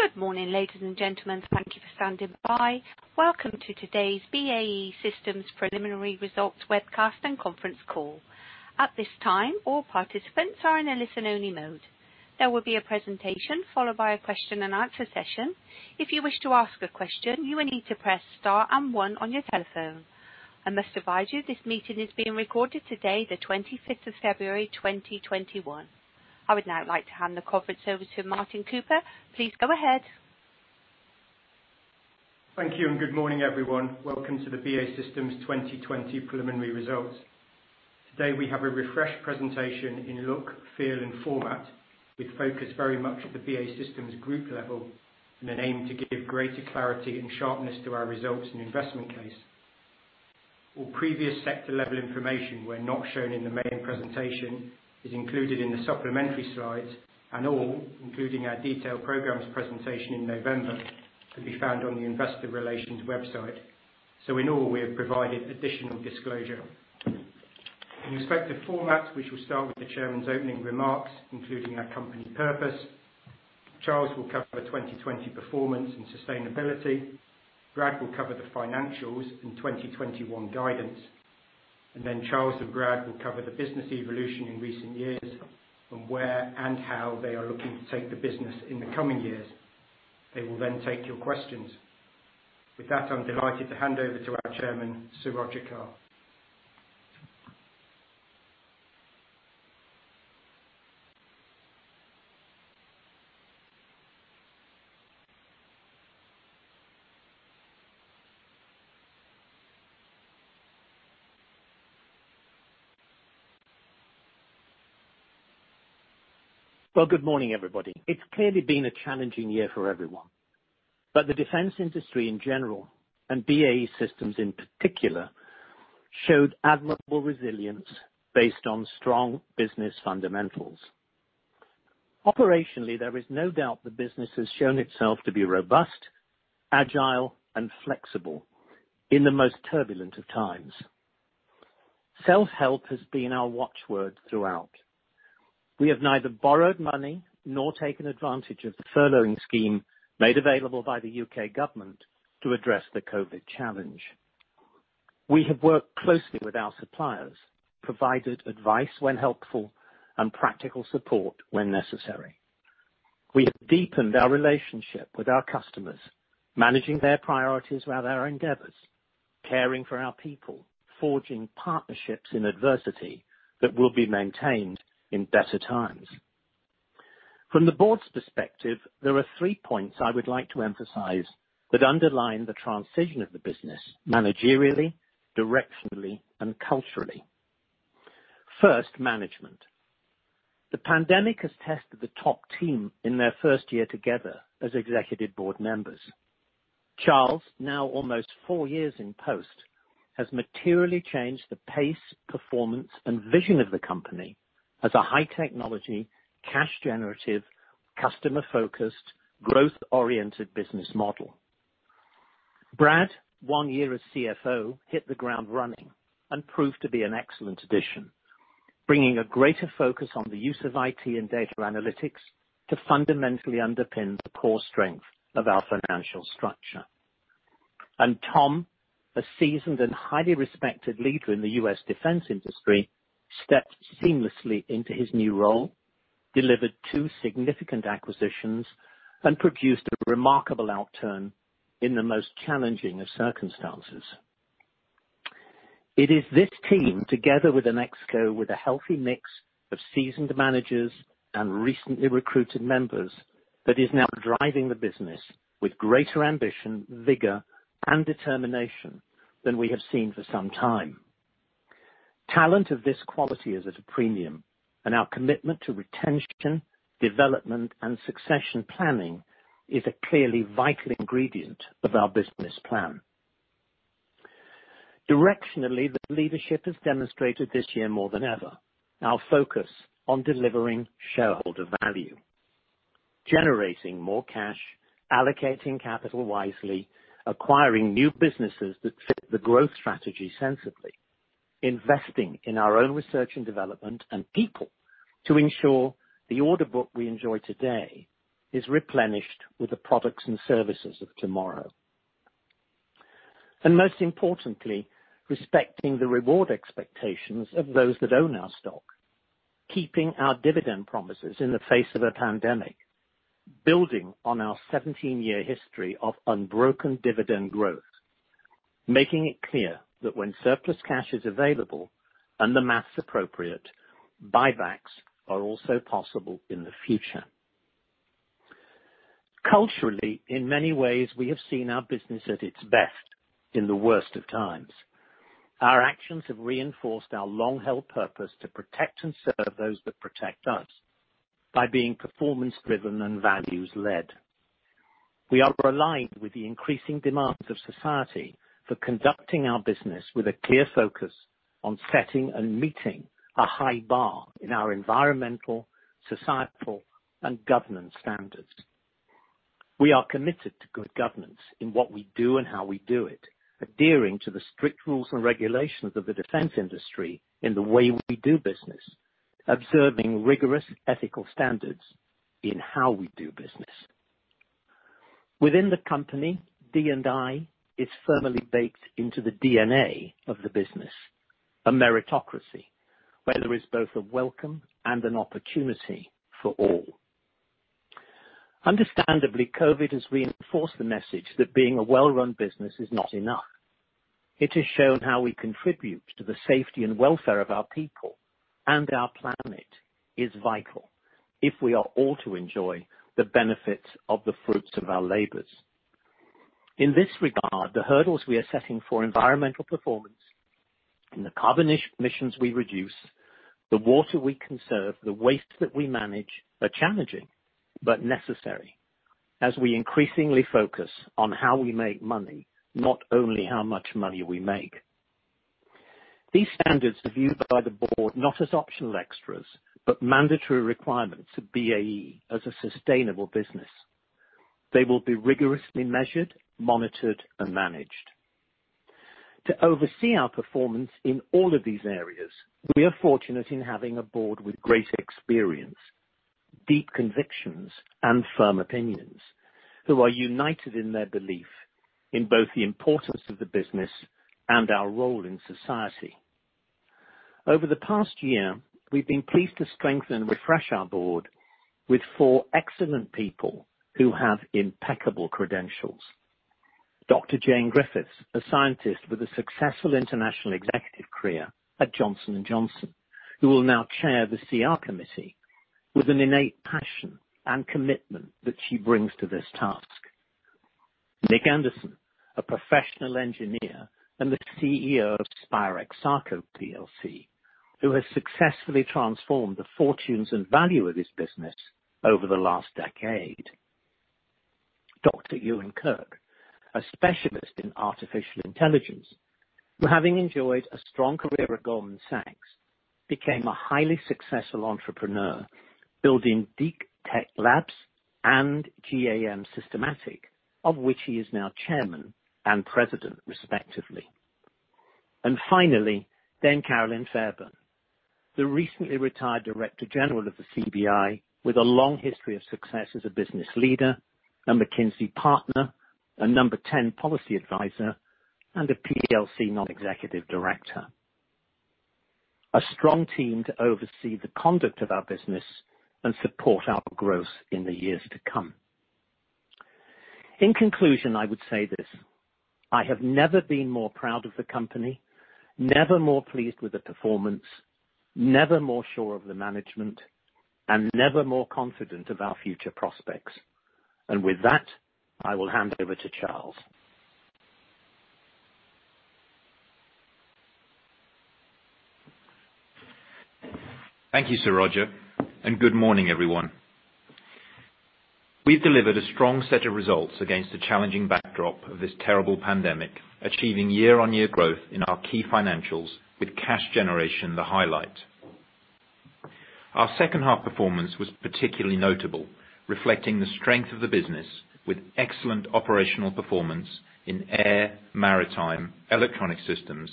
Good morning, ladies and gentlemen. Thank you for standing by. Welcome to today's BAE Systems Preliminary Results Webcast and Conference Call. At this time, all participants are in a listen-only mode. There will be a presentation followed by a question and answer session. If you wish to ask a question, you will need to press star and one on your telephone. I must advise you, this meeting is being recorded today, the 25th of February, 2021. I would now like to hand the conference over to Martin Cooper. Please go ahead. Thank you. Good morning, everyone. Welcome to the BAE Systems 2020 preliminary results. Today, we have a refreshed presentation in look, feel, and format, with focus very much at the BAE Systems group level in an aim to give greater clarity and sharpness to our results and investment case. All previous sector-level information, where not shown in the main presentation, is included in the supplementary slides and all, including our detailed programs presentation in November, can be found on the investor relations website. In all, we have provided additional disclosure. In respect of format, we shall start with the chairman's opening remarks, including our company's purpose. Charles will cover 2020 performance and sustainability. Brad will cover the financials and 2021 guidance, and then Charles and Brad will cover the business evolution in recent years and where and how they are looking to take the business in the coming years. They will take your questions. With that, I'm delighted to hand over to our Chairman, Sir Roger Carr. Well, good morning, everybody. It's clearly been a challenging year for everyone, but the defense industry in general, and BAE Systems in particular, showed admirable resilience based on strong business fundamentals. Operationally, there is no doubt the business has shown itself to be robust, agile, and flexible in the most turbulent of times. Self-help has been our watchword throughout. We have neither borrowed money nor taken advantage of the furloughing scheme made available by the U.K. government to address the COVID challenge. We have worked closely with our suppliers, provided advice when helpful, and practical support when necessary. We have deepened our relationship with our customers, managing their priorities around our endeavors, caring for our people, forging partnerships in adversity that will be maintained in better times. From the board's perspective, there are three points I would like to emphasize that underline the transition of the business managerially, directionally, and culturally. First, management. The pandemic has tested the top team in their first year together as executive board members. Charles, now almost four years in post, has materially changed the pace, performance, and vision of the company as a high-technology, cash-generative, customer-focused, growth-oriented business model. Brad, one year as CFO, hit the ground running and proved to be an excellent addition, bringing a greater focus on the use of IT and data analytics to fundamentally underpin the core strength of our financial structure. Tom, a seasoned and highly respected leader in the U.S. defense industry, stepped seamlessly into his new role, delivered two significant acquisitions, and produced a remarkable outturn in the most challenging of circumstances. It is this team, together with an exco with a healthy mix of seasoned managers and recently recruited members, that is now driving the business with greater ambition, vigor, and determination than we have seen for some time. Talent of this quality is at a premium, and our commitment to retention, development, and succession planning is a clearly vital ingredient of our business plan. Directionally, the leadership has demonstrated this year more than ever our focus on delivering shareholder value, generating more cash, allocating capital wisely, acquiring new businesses that fit the growth strategy sensibly, investing in our own research and development and people to ensure the order book we enjoy today is replenished with the products and services of tomorrow. Most importantly, respecting the reward expectations of those that own our stock, keeping our dividend promises in the face of a pandemic, building on our 17-year history of unbroken dividend growth, making it clear that when surplus cash is available and the maths appropriate, buybacks are also possible in the future. Culturally, in many ways, we have seen our business at its best in the worst of times. Our actions have reinforced our long-held purpose to protect and serve those that protect us by being performance-driven and values-led. We are aligned with the increasing demands of society for conducting our business with a clear focus on setting and meeting a high bar in our environmental, societal, and governance standards. We are committed to good governance in what we do and how we do it, adhering to the strict rules and regulations of the defense industry in the way we do business. Observing rigorous ethical standards in how we do business. Within the company, D&I is firmly baked into the DNA of the business, a meritocracy where there is both a welcome and an opportunity for all. Understandably, COVID has reinforced the message that being a well-run business is not enough. It has shown how we contribute to the safety and welfare of our people and our planet is vital if we are all to enjoy the benefits of the fruits of our labors. In this regard, the hurdles we are setting for environmental performance and the carbon emissions we reduce, the water we conserve, the waste that we manage, are challenging but necessary as we increasingly focus on how we make money, not only how much money we make. These standards are viewed by the board not as optional extras, but mandatory requirements of BAE as a sustainable business. They will be rigorously measured, monitored, and managed. To oversee our performance in all of these areas, we are fortunate in having a board with great experience, deep convictions, and firm opinions, who are united in their belief in both the importance of the business and our role in society. Over the past year, we've been pleased to strengthen and refresh our board with four excellent people who have impeccable credentials. Dr. Jane Griffiths, a scientist with a successful international executive career at Johnson & Johnson, who will now chair the CR committee with an innate passion and commitment that she brings to this task. Nick Anderson, a professional engineer and the CEO of Spirax-Sarco PLC, who has successfully transformed the fortunes and value of this business over the last decade. Dr. Ewan Kirk, a specialist in artificial intelligence, who, having enjoyed a strong career at Goldman Sachs, became a highly successful entrepreneur building Deeptech Labs and GAM Systematic, of which he is now chairman and president, respectively. Finally, Carolyn Fairbairn, the recently retired Director-General of the CBI with a long history of success as a business leader, a McKinsey partner, a Number 10 policy advisor, and a PLC non-executive director. A strong team to oversee the conduct of our business and support our growth in the years to come. In conclusion, I would say this, I have never been more proud of the company, never more pleased with the performance, never more sure of the management, and never more confident of our future prospects. With that, I will hand over to Charles. Thank you, Sir Roger. Good morning, everyone. We've delivered a strong set of results against a challenging backdrop of this terrible pandemic, achieving year-on-year growth in our key financials with cash generation the highlight. Our second half performance was particularly notable, reflecting the strength of the business with excellent operational performance in air, maritime, electronic systems,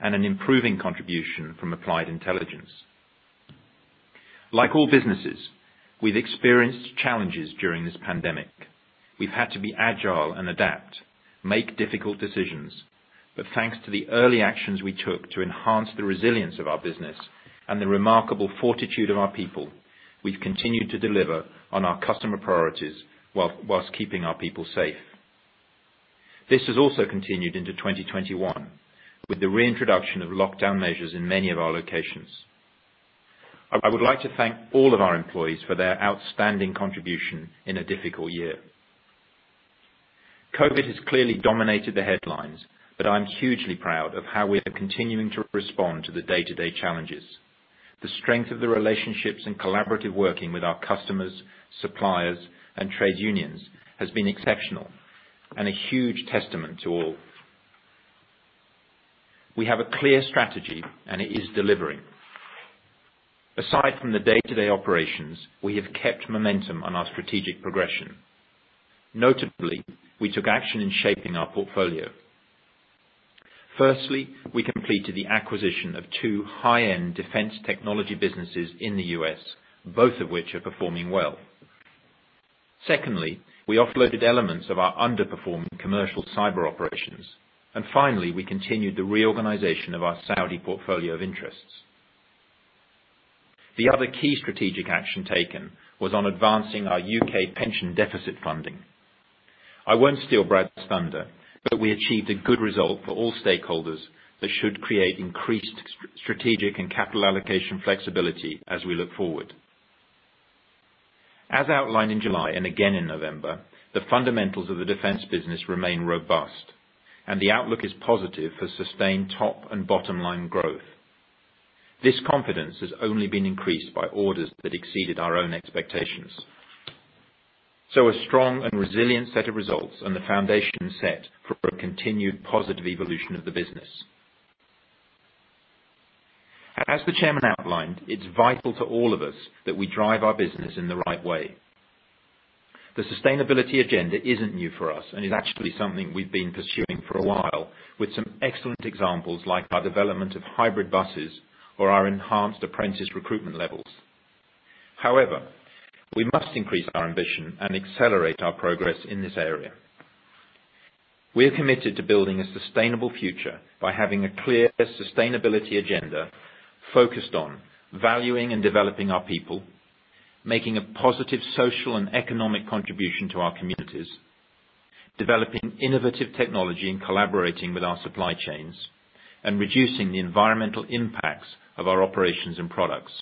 and an improving contribution from Applied Intelligence. Like all businesses, we've experienced challenges during this pandemic. We've had to be agile and adapt, make difficult decisions. Thanks to the early actions we took to enhance the resilience of our business and the remarkable fortitude of our people, we've continued to deliver on our customer priorities whilst keeping our people safe. This has also continued into 2021 with the reintroduction of lockdown measures in many of our locations. I would like to thank all of our employees for their outstanding contribution in a difficult year. COVID has clearly dominated the headlines, but I'm hugely proud of how we are continuing to respond to the day-to-day challenges. The strength of the relationships and collaborative working with our customers, suppliers, and trade unions has been exceptional and a huge testament to all. We have a clear strategy, and it is delivering. Aside from the day-to-day operations, we have kept momentum on our strategic progression. Notably, we took action in shaping our portfolio. Firstly, we completed the acquisition of two high-end defense technology businesses in the U.S., both of which are performing well. Secondly, we offloaded elements of our underperforming commercial cyber operations. Finally, we continued the reorganization of our Saudi portfolio of interests. The other key strategic action taken was on advancing our U.K. pension deficit funding. I won't steal Brad's thunder. We achieved a good result for all stakeholders that should create increased strategic and capital allocation flexibility as we look forward. As outlined in July and again in November, the fundamentals of the defense business remain robust, and the outlook is positive for sustained top and bottom-line growth. This confidence has only been increased by orders that exceeded our own expectations. A strong and resilient set of results and the foundation set for a continued positive evolution of the business. As the Chairman outlined, it's vital to all of us that we drive our business in the right way. The sustainability agenda isn't new for us and is actually something we've been pursuing for a while with some excellent examples, like our development of hybrid buses or our enhanced apprentice recruitment levels. However, we must increase our ambition and accelerate our progress in this area. We are committed to building a sustainable future by having a clear sustainability agenda focused on valuing and developing our people, making a positive social and economic contribution to our communities, developing innovative technology and collaborating with our supply chains, and reducing the environmental impacts of our operations and products.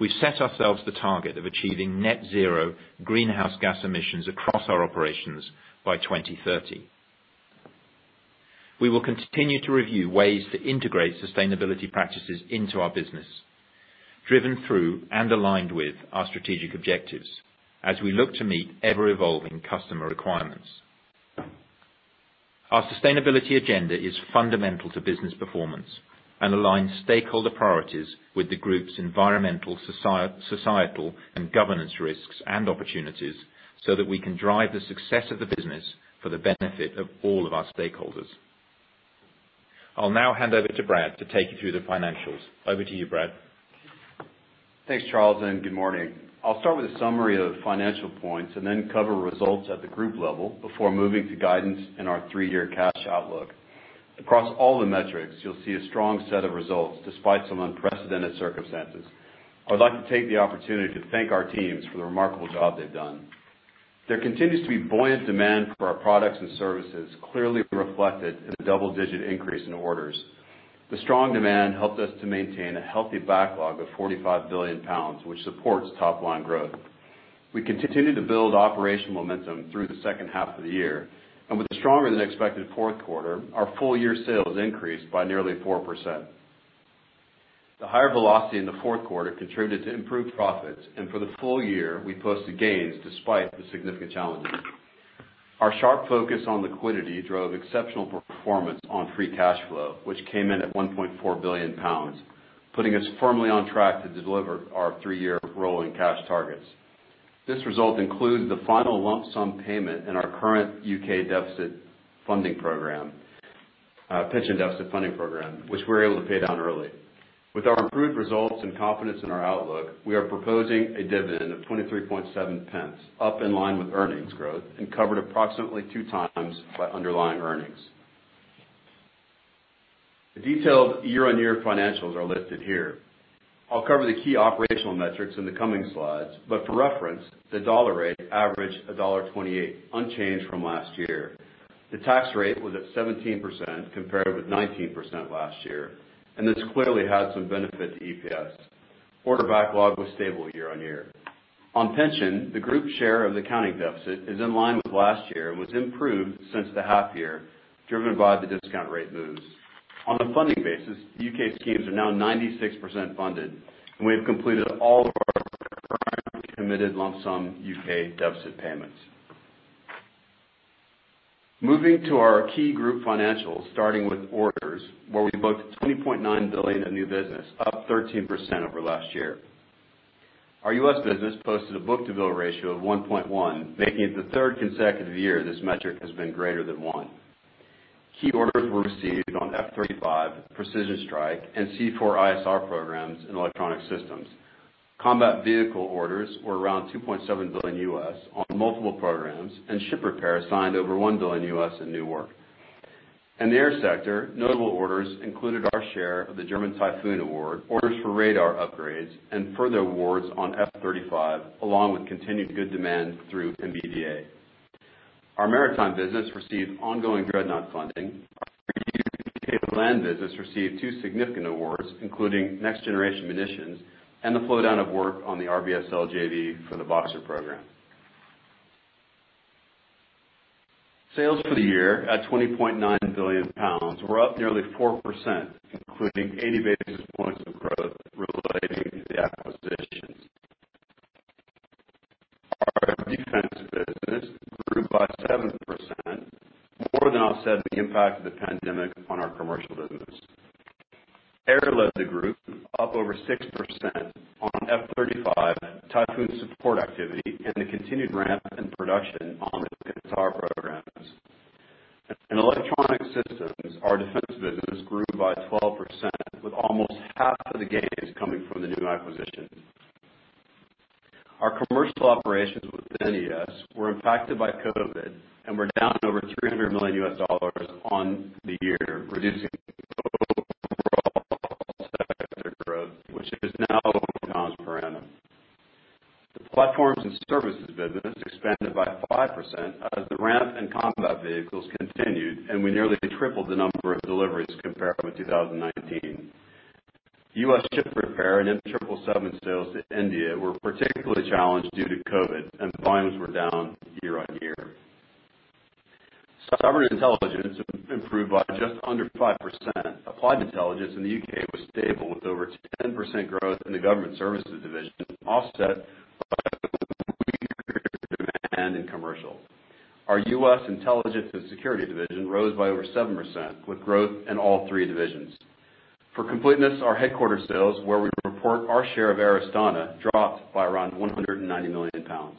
We've set ourselves the target of achieving net zero greenhouse gas emissions across our operations by 2030. We will continue to review ways to integrate sustainability practices into our business, driven through and aligned with our strategic objectives as we look to meet ever-evolving customer requirements. Our sustainability agenda is fundamental to business performance and aligns stakeholder priorities with the group's environmental, societal, and governance risks and opportunities so that we can drive the success of the business for the benefit of all of our stakeholders. I'll now hand over to Brad to take you through the financials. Over to you, Brad. Thanks, Charles, good morning. I'll start with a summary of financial points then cover results at the group level before moving to guidance and our three-year cash outlook. Across all the metrics, you'll see a strong set of results despite some unprecedented circumstances. I would like to take the opportunity to thank our teams for the remarkable job they've done. There continues to be buoyant demand for our products and services, clearly reflected in the double-digit increase in orders. The strong demand helped us to maintain a healthy backlog of 45 billion pounds, which supports top-line growth. We continued to build operational momentum through the second half of the year, with a stronger-than-expected fourth quarter, our full-year sales increased by nearly 4%. The higher velocity in the fourth quarter contributed to improved profits. For the full year, we posted gains despite the significant challenges. Our sharp focus on liquidity drove exceptional performance on free cash flow, which came in at 1.4 billion pounds, putting us firmly on track to deliver our three-year rolling cash targets. This result includes the final lump sum payment in our current U.K. pension deficit funding program, which we're able to pay down early. With our improved results and confidence in our outlook, we are proposing a dividend of 0.237, up in line with earnings growth and covered approximately 2 times by underlying earnings. The detailed year-on-year financials are listed here. I'll cover the key operational metrics in the coming slides, but for reference, the dollar rate averaged $1.28, unchanged from last year. The tax rate was at 17% compared with 19% last year, and this clearly had some benefit to EPS. Order backlog was stable year-on-year. On pension, the group share of the accounting deficit is in line with last year and was improved since the half year, driven by the discount rate moves. On a funding basis, U.K. schemes are now 96% funded. We have completed all of our committed lump sum U.K. deficit payments. Moving to our key group financials, starting with orders, where we booked 20.9 billion of new business, up 13% over last year. Our U.S. business posted a book-to-bill ratio of 1.1, making it the third consecutive year this metric has been greater than one. Key orders were received on F-35, Precision Strike, and C4ISR programs in electronic systems. Combat vehicle orders were around 2.7 billion on multiple programs. Ship repair signed over 1 billion in new work. In the air sector, notable orders included our share of the German Typhoon award, orders for radar upgrades, and further awards on F-35, along with continued good demand through MBDA. Our maritime business received ongoing Dreadnought funding. Our land business received two significant awards, including next-generation munitions and the flow-down of work on the RBSL JV for the Boxer program. Sales for the year at 20.9 billion pounds were up nearly 4%, including 80 basis points of growth relating to the acquisitions. Our defense business grew by 7%, more than offset the impact of the pandemic on our commercial business. Air led the group up over 6% on F-35 Typhoon support activity and the continued ramp in production on Qatar programs. In electronic systems, our defense business grew by 12%, with almost half of the gains coming from the new acquisition. Our commercial operations within ES were impacted by COVID and were down over GBP 300 million on the year, reducing overall sector growth, which is now comparable. The platforms and services business expanded by 5% as the ramp in combat vehicles continued, and we nearly tripled the number of deliveries compared with 2019. U.S. ship repair and M777 sales to India were particularly challenged due to COVID, and volumes were down year-over-year. Cyber & Intelligence improved by just under 5%. Applied Intelligence in the U.K. was stable with over 10% growth in the government services division, offset by demand in commercial. Our U.S. intelligence and security division rose by over 7%, with growth in all three divisions. For completeness, our headquarter sales, where we report our share of Air Astana, dropped by around 190 million pounds.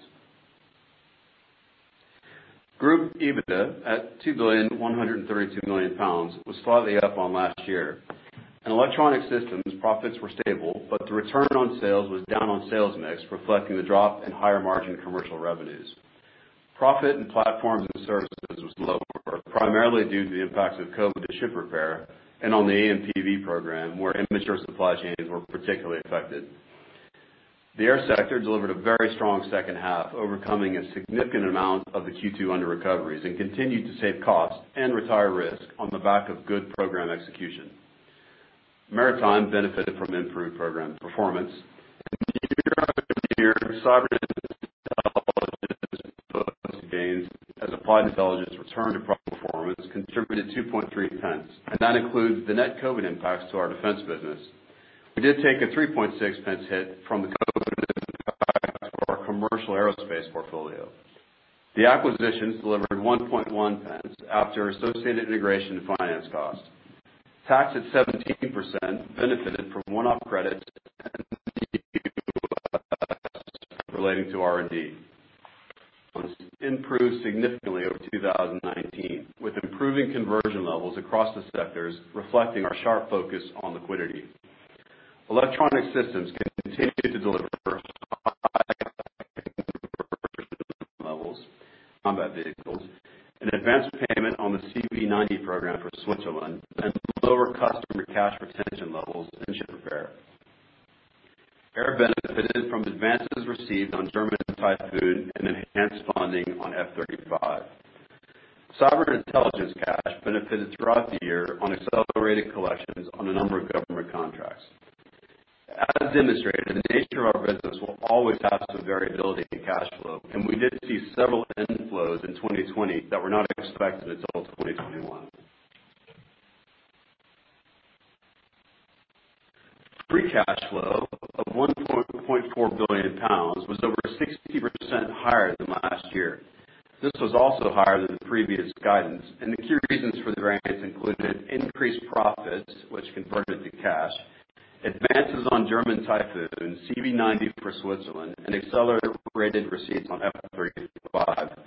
Group EBITDA at 2.132 billion pounds was slightly up on last year. In electronic systems, profits were stable, but the return on sales was down on sales mix, reflecting the drop in higher margin commercial revenues. Profit in Platforms and Services was lower, primarily due to the impacts of COVID ship repair and on the AMPV Program, where immature supply chains were particularly affected. The air sector delivered a very strong second half, overcoming a significant amount of the Q2 underrecoveries and continued to save costs and retire risk on the back of good program execution. Maritime benefited from improved program performance. Year-over-year, cyber intelligence booked gains as Applied Intelligence returned to proper performance, contributing 0.023, and that includes the net COVID impacts to our defense business. We did take a 0.036 hit from the COVID business impacts to our commercial aerospace portfolio. The acquisitions delivered 0.011 after associated integration and finance costs. Tax at 17% benefited from one-off credits and U.S. relating to R&D. Improved significantly over 2019, with improving conversion levels across the sectors reflecting our sharp focus on liquidity. Electronic Systems continued to deliver high conversion levels, combat vehicles, an advanced payment on the CV90 program for Switzerland, and lower customer cash retention levels in ship repair. Air benefited from advances received on German Typhoon and enhanced funding on F-35. Cyber Intelligence cash benefited throughout the year on accelerated collections on a number of government contracts. As demonstrated, the nature of our business will always have some variability in cash flow, and we did see several inflows in 2020 that were not expected until 2021. Free cash flow of 1.4 billion pounds was over 60% higher than last year. This was also higher than the previous guidance. The key reasons for the variance included increased profits, which converted to cash, advances on German Typhoon, CV90 for Switzerland, and accelerated receipts on F-35,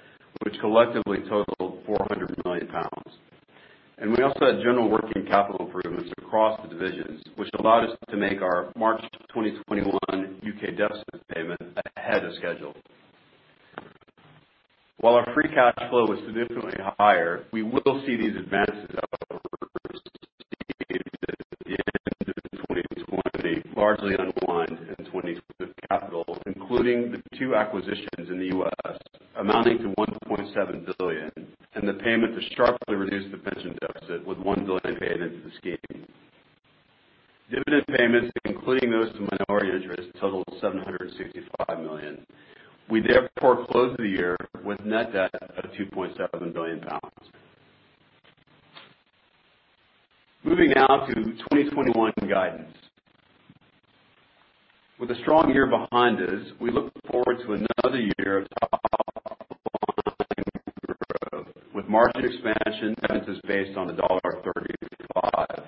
which collectively totaled 400 million pounds. We also had general working capital improvements across the divisions, which allowed us to make our March 2021 U.K. deficit payment ahead of schedule. While our free cash flow was significantly higher, we will see these advances that were received at the end of 2020 largely unwind in capital, including the two acquisitions in the U.S. amounting to $1.7 billion, and the payment to sharply reduce the pension deficit with 1 billion paid into the scheme. Dividend payments, including those to minority interests, totaled $765 million. We therefore closed the year with net debt of 2.7 billion pounds. Moving now to 2021 guidance. With a strong year behind us, we look forward to another year of top line growth with margin expansion that is based on a $1.35,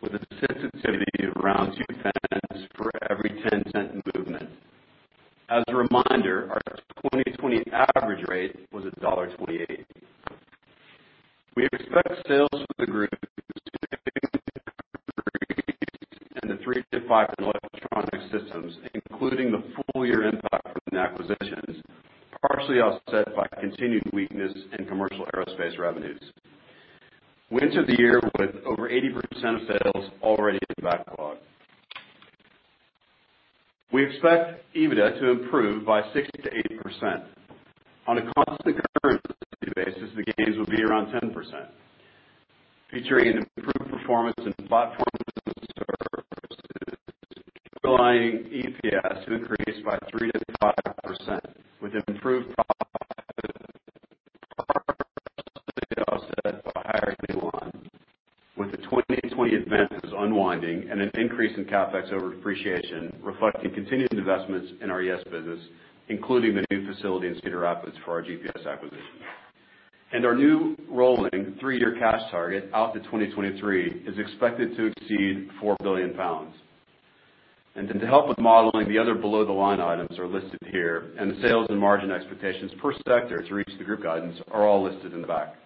with a sensitivity of around 0.02 for every $0.10 movement. As a reminder, our 2020 average rate was $1.28. We expect sales for the group 3%-5% in Electronic Systems, including the full year impact from the acquisitions, partially offset by continued weakness in commercial aerospace revenues. We enter the year with over 80% of sales already in backlog. We expect EBITDA to improve by 6%-8%. On a constant currency basis, the gains will be around 10%, featuring an improved performance in platforms and services, underlying EPS to increase by 3%-5%, with improved profit, partially offset by higher pay lines, with the 2020 advances unwinding and an increase in CapEx over depreciation reflecting continued investments in our ES business, including the new facility in Cedar Rapids for our GPS acquisition. Our new rolling three-year cash target out to 2023 is expected to exceed 4 billion pounds. To help with modeling, the other below-the-line items are listed here, the sales and margin expectations per sector to reach the group guidance are all listed in the back.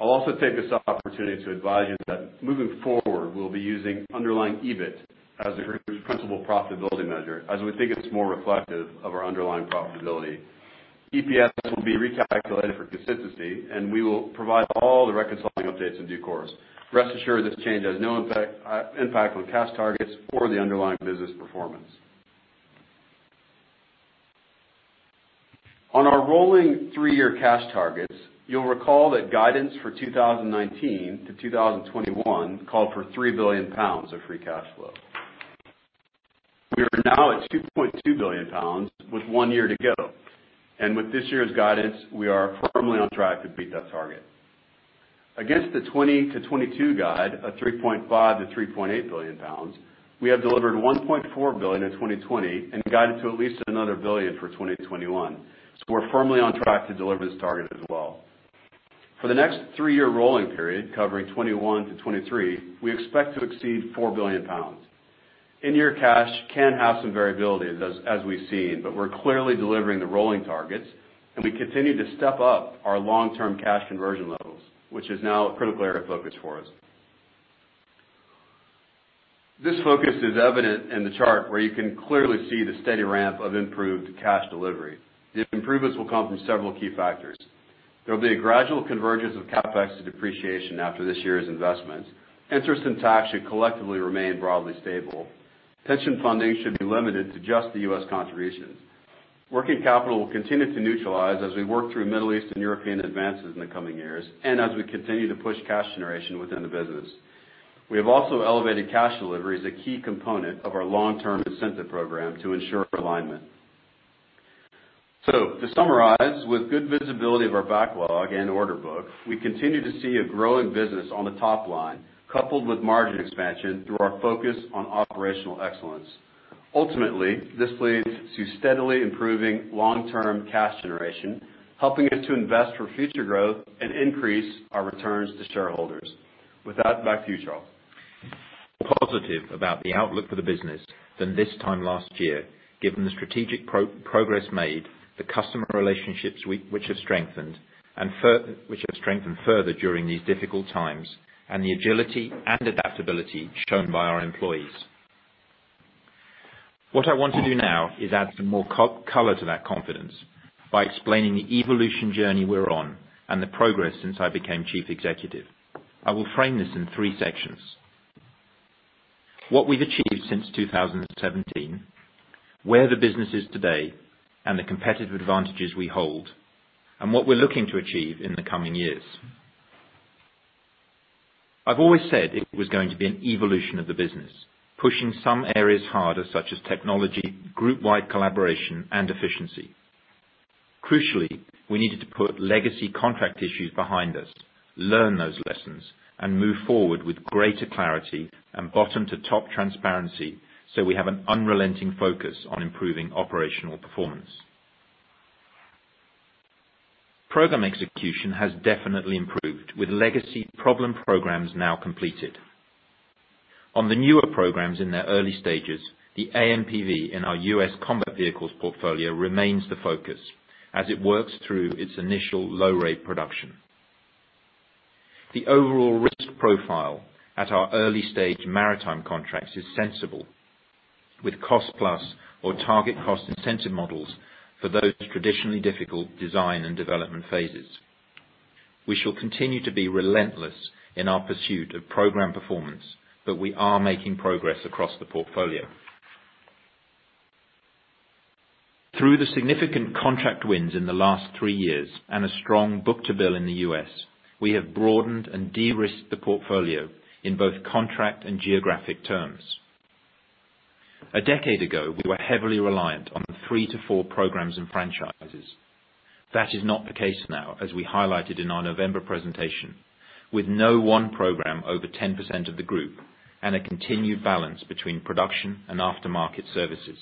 I'll also take this opportunity to advise you that moving forward, we'll be using underlying EBIT as the group's principal profitability measure, as we think it's more reflective of our underlying profitability. EPS will be recalculated for consistency, and we will provide all the reconciling updates in due course. Rest assured, this change has no impact on cash targets or the underlying business performance. On our rolling three-year cash targets, you'll recall that guidance for 2019 to 2021 called for 3 billion pounds of free cash flow. We are now at 2.2 billion pounds with one year to go, and with this year's guidance, we are firmly on track to beat that target. Against the 2020 to 2022 guide of 3.5 billion-3.8 billion pounds, we have delivered 1.4 billion in 2020 and guided to at least another 1 billion for 2021. We're firmly on track to deliver this target as well. For the next three-year rolling period, covering 2021 to 2023, we expect to exceed 4 billion pounds. In-year cash can have some variabilities as we've seen, but we're clearly delivering the rolling targets, and we continue to step up our long-term cash conversion levels, which is now a critical area of focus for us. This focus is evident in the chart where you can clearly see the steady ramp of improved cash delivery. The improvements will come from several key factors. There will be a gradual convergence of CapEx to depreciation after this year's investments. Interest and tax should collectively remain broadly stable. Pension funding should be limited to just the U.S. contributions. Working capital will continue to neutralize as we work through Middle East and European advances in the coming years and as we continue to push cash generation within the business. We have also elevated cash delivery as a key component of our long-term incentive program to ensure alignment. To summarize, with good visibility of our backlog and order book, we continue to see a growing business on the top line, coupled with margin expansion through our focus on operational excellence. Ultimately, this leads to steadily improving long-term cash generation, helping us to invest for future growth and increase our returns to shareholders. With that, back to you, Charles. Positive about the outlook for the business than this time last year, given the strategic progress made, the customer relationships which have strengthened further during these difficult times, and the agility and adaptability shown by our employees. What I want to do now is add some more color to that confidence by explaining the evolution journey we're on and the progress since I became Chief Executive. I will frame this in three sections. What we've achieved since 2017, where the business is today, and the competitive advantages we hold, and what we're looking to achieve in the coming years. I've always said it was going to be an evolution of the business, pushing some areas harder, such as technology, group-wide collaboration, and efficiency. Crucially, we needed to put legacy contract issues behind us, learn those lessons, and move forward with greater clarity and bottom-to-top transparency, so we have an unrelenting focus on improving operational performance. Program execution has definitely improved with legacy problem programs now completed. On the newer programs in their early stages, the AMPV in our U.S. combat vehicles portfolio remains the focus as it works through its initial low-rate production. The overall risk profile at our early-stage maritime contracts is sensible, with cost plus or target cost incentive models for those traditionally difficult design and development phases. We shall continue to be relentless in our pursuit of program performance, but we are making progress across the portfolio. Through the significant contract wins in the last three years and a strong book-to-bill in the U.S., we have broadened and de-risked the portfolio in both contract and geographic terms. A decade ago, we were heavily reliant on 3-4 programs and franchises. That is not the case now, as we highlighted in our November presentation, with no one program over 10% of the group and a continued balance between production and aftermarket services.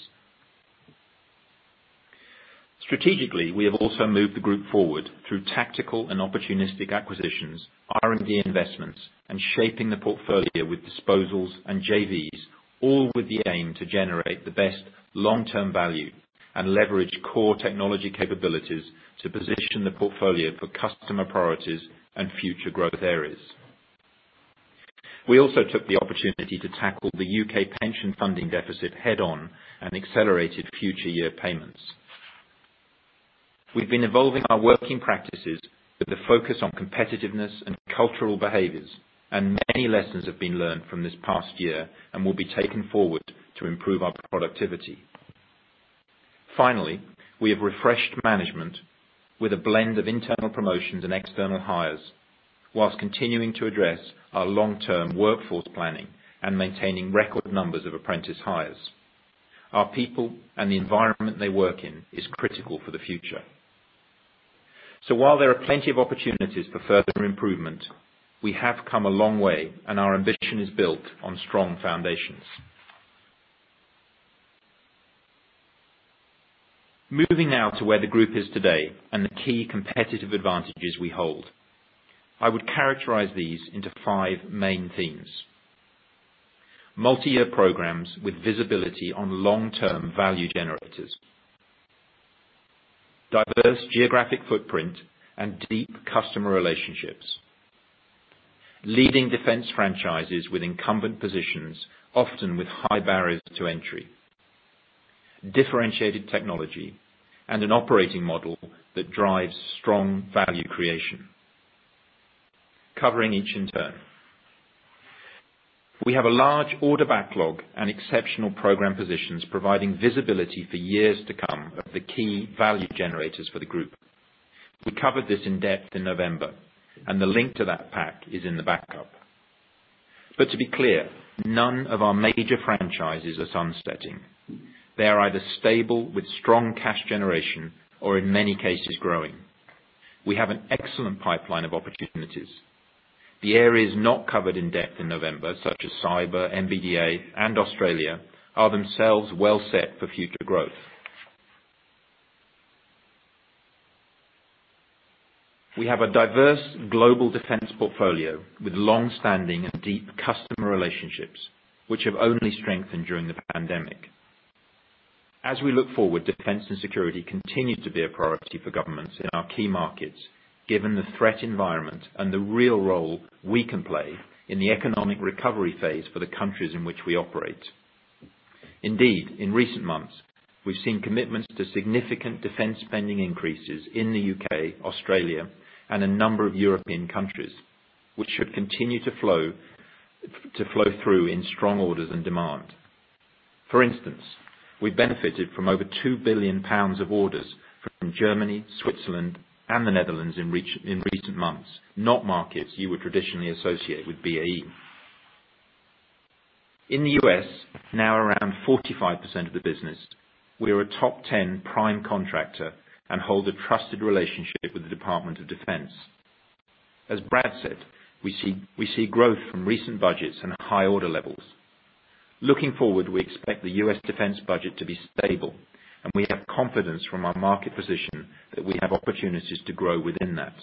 Strategically, we have also moved the group forward through tactical and opportunistic acquisitions, R&D investments, and shaping the portfolio with disposals and JVs, all with the aim to generate the best long-term value and leverage core technology capabilities to position the portfolio for customer priorities and future growth areas. We also took the opportunity to tackle the U.K. pension funding deficit head-on and accelerated future year payments. We've been evolving our working practices, with the focus on competitiveness and cultural behaviors and many lessons have been learned from this past year and will be taken forward to improve our productivity. Finally, we have refreshed management with a blend of internal promotions and external hires, while continuing to address our long-term workforce planning and maintaining record numbers of apprentice hires. Our people and the environment they work in is critical for the future. While there are plenty of opportunities for further improvement, we have come a long way and our ambition is built on strong foundations. Moving now to where the group is today and the key competitive advantages we hold. I would characterize these into five main themes. Multi-year programs with visibility on long-term value generators. Diverse geographic footprint and deep customer relationships. Leading defense franchises with incumbent positions, often with high barriers to entry. Differentiated technology and an operating model that drives strong value creation. Covering each in turn. We have a large order backlog and exceptional program positions providing visibility for years to come of the key value generators for the group. We covered this in depth in November, and the link to that pack is in the backup. To be clear, none of our major franchises are sunsetting. They are either stable with strong cash generation or in many cases growing. We have an excellent pipeline of opportunities. The areas not covered in depth in November, such as cyber, MBDA, and Australia, are themselves well set for future growth. We have a diverse global defense portfolio with longstanding and deep customer relationships, which have only strengthened during the pandemic. As we look forward, defense and security continue to be a priority for governments in our key markets, given the threat environment and the real role we can play in the economic recovery phase for the countries in which we operate. Indeed, in recent months, we've seen commitments to significant defense spending increases in the U.K., Australia, and a number of European countries, which should continue to flow through in strong orders and demand. For instance, we benefited from over 2 billion pounds of orders from Germany, Switzerland, and the Netherlands in recent months, not markets you would traditionally associate with BAE. In the U.S., now around 45% of the business, we are a top 10 prime contractor and hold a trusted relationship with the Department of Defense. As Brad said, we see growth from recent budgets and high order levels. Looking forward, we expect the U.S. defense budget to be stable, and we have confidence from our market position that we have opportunities to grow within that.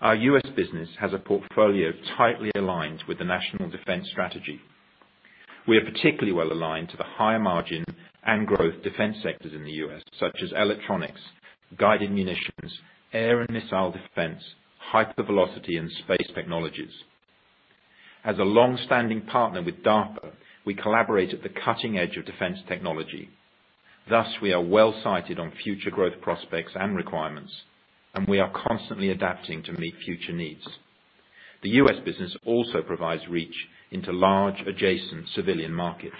Our U.S. business has a portfolio tightly aligned with the National Defense Strategy. We are particularly well-aligned to the higher margin and growth defense sectors in the U.S., such as electronics, guided munitions, air and missile defense, hypervelocity and space technologies. As a longstanding partner with DARPA, we collaborate at the cutting edge of defense technology. Thus, we are well-sited on future growth prospects and requirements, and we are constantly adapting to meet future needs. The U.S. business also provides reach into large adjacent civilian markets.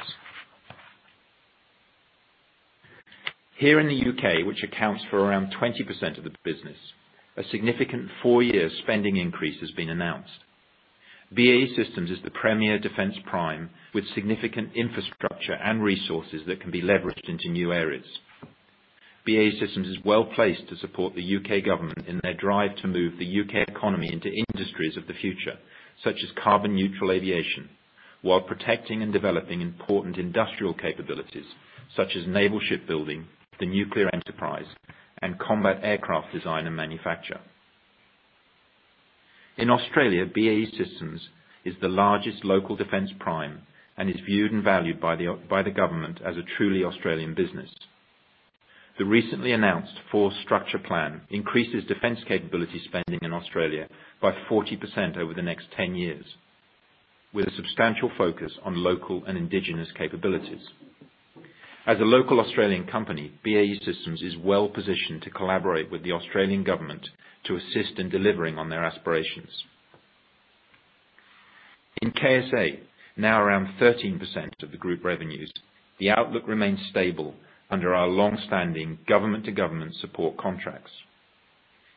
Here in the U.K., which accounts for around 20% of the business, a significant four-year spending increase has been announced. BAE Systems is the premier defense prime, with significant infrastructure and resources that can be leveraged into new areas. BAE Systems is well-placed to support the U.K. government in their drive to move the U.K. economy into industries of the future, such as carbon neutral aviation, while protecting and developing important industrial capabilities such as naval shipbuilding, the nuclear enterprise, and combat aircraft design and manufacture. In Australia, BAE Systems is the largest local defense prime and is viewed and valued by the government as a truly Australian business. The recently announced Force Structure Plan increases defense capability spending in Australia by 40% over the next 10 years, with a substantial focus on local and indigenous capabilities. As a local Australian company, BAE Systems is well-positioned to collaborate with the Australian government to assist in delivering on their aspirations. In KSA, now around 13% of the group revenues, the outlook remains stable under our longstanding government-to-government support contracts.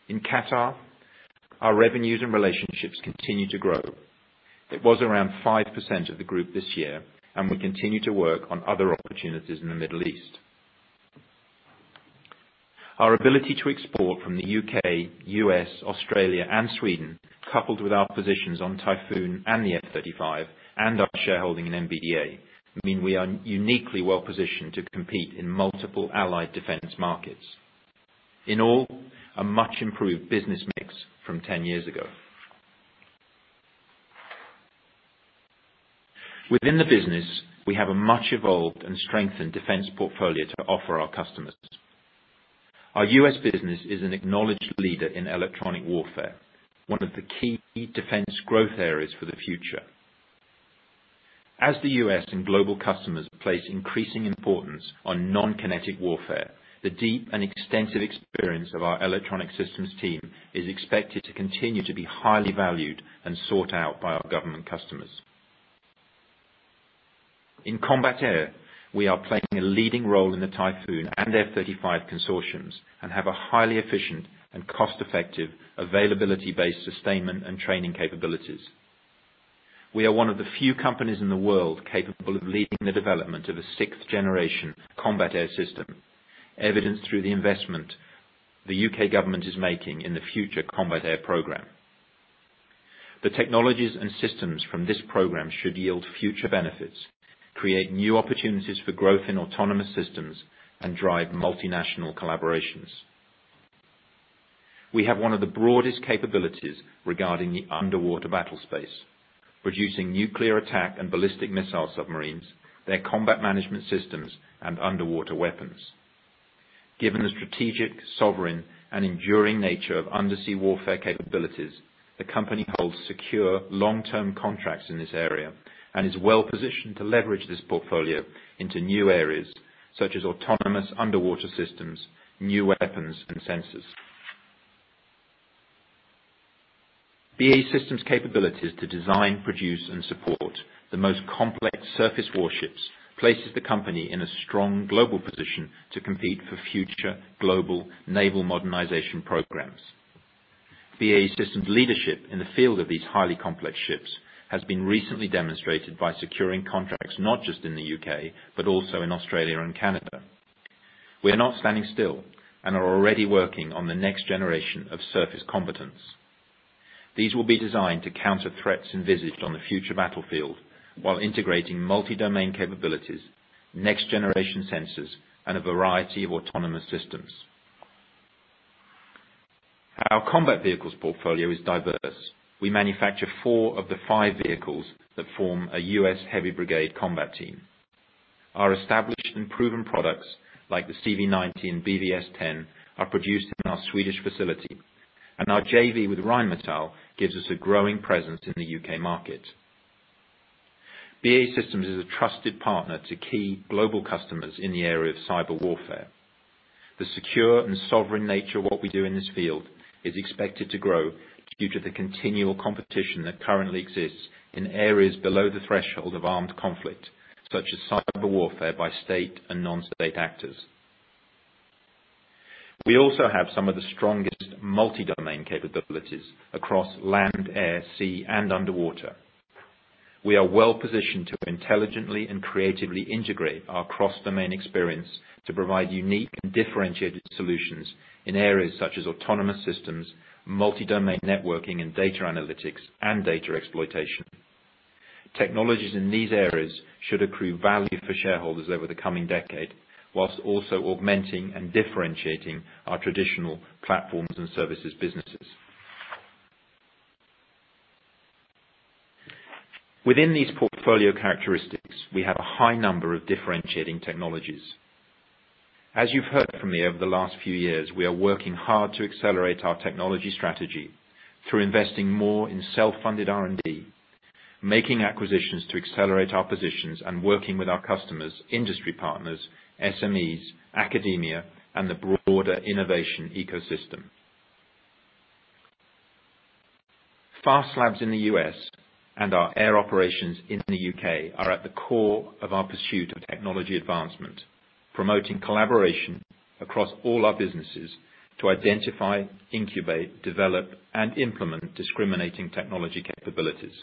In Qatar, our revenues and relationships continue to grow. It was around 5% of the group this year, and we continue to work on other opportunities in the Middle East. Our ability to export from the U.K., U.S., Australia, and Sweden, coupled with our positions on Typhoon and the F-35 and our shareholding in MBDA, mean we are uniquely well-positioned to compete in multiple allied defense markets. In all, a much improved business mix from 10 years ago. Within the business, we have a much evolved and strengthened defense portfolio to offer our customers. Our U.S. business is an acknowledged leader in electronic warfare, one of the key defense growth areas for the future. As the U.S. and global customers place increasing importance on non-kinetic warfare, the deep and extensive experience of our electronic systems team is expected to continue to be highly valued and sought out by our government customers. In combat air, we are playing a leading role in the Typhoon and F-35 consortiums and have a highly efficient and cost-effective, availability-based sustainment and training capabilities. We are one of the few companies in the world capable of leading the development of a sixth-generation combat air system, evidenced through the investment the U.K. government is making in the Future Combat Air System. The technologies and systems from this program should yield future benefits, create new opportunities for growth in autonomous systems, and drive multinational collaborations. We have one of the broadest capabilities regarding the underwater battle space, producing nuclear attack and ballistic missile submarines, their combat management systems, and underwater weapons. Given the strategic, sovereign, and enduring nature of undersea warfare capabilities, the company holds secure long-term contracts in this area and is well-positioned to leverage this portfolio into new areas such as autonomous underwater systems, new weapons, and sensors. BAE Systems' capabilities to design, produce, and support the most complex surface warships places the company in a strong global position to compete for future global naval modernization programs. BAE Systems' leadership in the field of these highly complex ships has been recently demonstrated by securing contracts not just in the U.K., but also in Australia and Canada. We are not standing still and are already working on the next generation of surface competencies. These will be designed to counter threats envisaged on the future battlefield while integrating multi-domain capabilities, next-generation sensors, and a variety of autonomous systems. Our combat vehicles portfolio is diverse. We manufacture four of the five vehicles that form a U.S. heavy brigade combat team. Our established and proven products, like the CV90 and BvS10, are produced in our Swedish facility, and our JV with Rheinmetall gives us a growing presence in the U.K. market. BAE Systems is a trusted partner to key global customers in the area of cyber warfare. The secure and sovereign nature of what we do in this field is expected to grow due to the continual competition that currently exists in areas below the threshold of armed conflict, such as cyber warfare by state and non-state actors. We also have some of the strongest multi-domain capabilities across land, air, sea, and underwater. We are well-positioned to intelligently and creatively integrate our cross-domain experience to provide unique and differentiated solutions in areas such as autonomous systems, multi-domain networking and data analytics, and data exploitation. Technologies in these areas should accrue value for shareholders over the coming decade, whilst also augmenting and differentiating our traditional platforms and services businesses. Within these portfolio characteristics, we have a high number of differentiating technologies. As you've heard from me over the last few years, we are working hard to accelerate our technology strategy through investing more in self-funded R&D, making acquisitions to accelerate our positions, and working with our customers, industry partners, SMEs, academia, and the broader innovation ecosystem. FAST Labs in the U.S. and our air operations in the U.K. are at the core of our pursuit of technology advancement, promoting collaboration across all our businesses to identify, incubate, develop, and implement discriminating technology capabilities.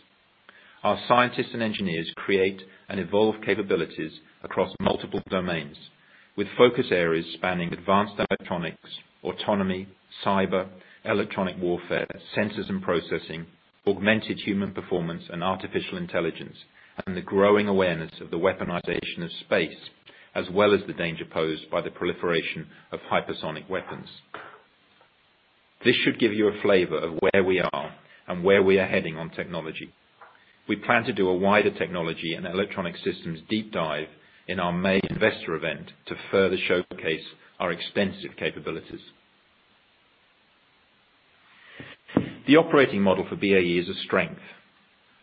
Our scientists and engineers create and evolve capabilities across multiple domains, with focus areas spanning advanced electronics, autonomy, cyber, electronic warfare, sensors and processing, augmented human performance and artificial intelligence, and the growing awareness of the weaponization of space, as well as the danger posed by the proliferation of hypersonic weapons. This should give you a flavor of where we are and where we are heading on technology. We plan to do a wider technology and electronic systems deep dive in our May investor event to further showcase our extensive capabilities. The operating model for BAE is a strength.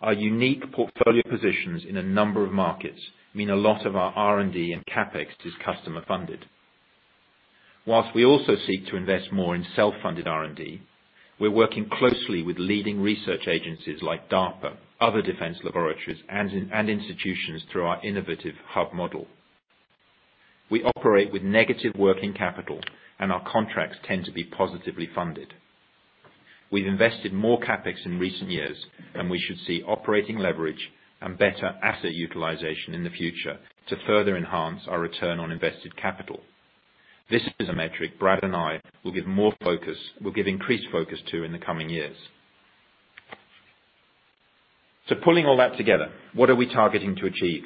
Our unique portfolio positions in a number of markets mean a lot of our R&D and CapEx is customer funded. Whilst we also seek to invest more in self-funded R&D, we're working closely with leading research agencies like DARPA, other defense laboratories, and institutions through our innovative hub model. We operate with negative working capital, and our contracts tend to be positively funded. We've invested more CapEx in recent years, and we should see operating leverage and better asset utilization in the future to further enhance our return on invested capital. This is a metric Brad and I will give increased focus to in the coming years. Pulling all that together, what are we targeting to achieve?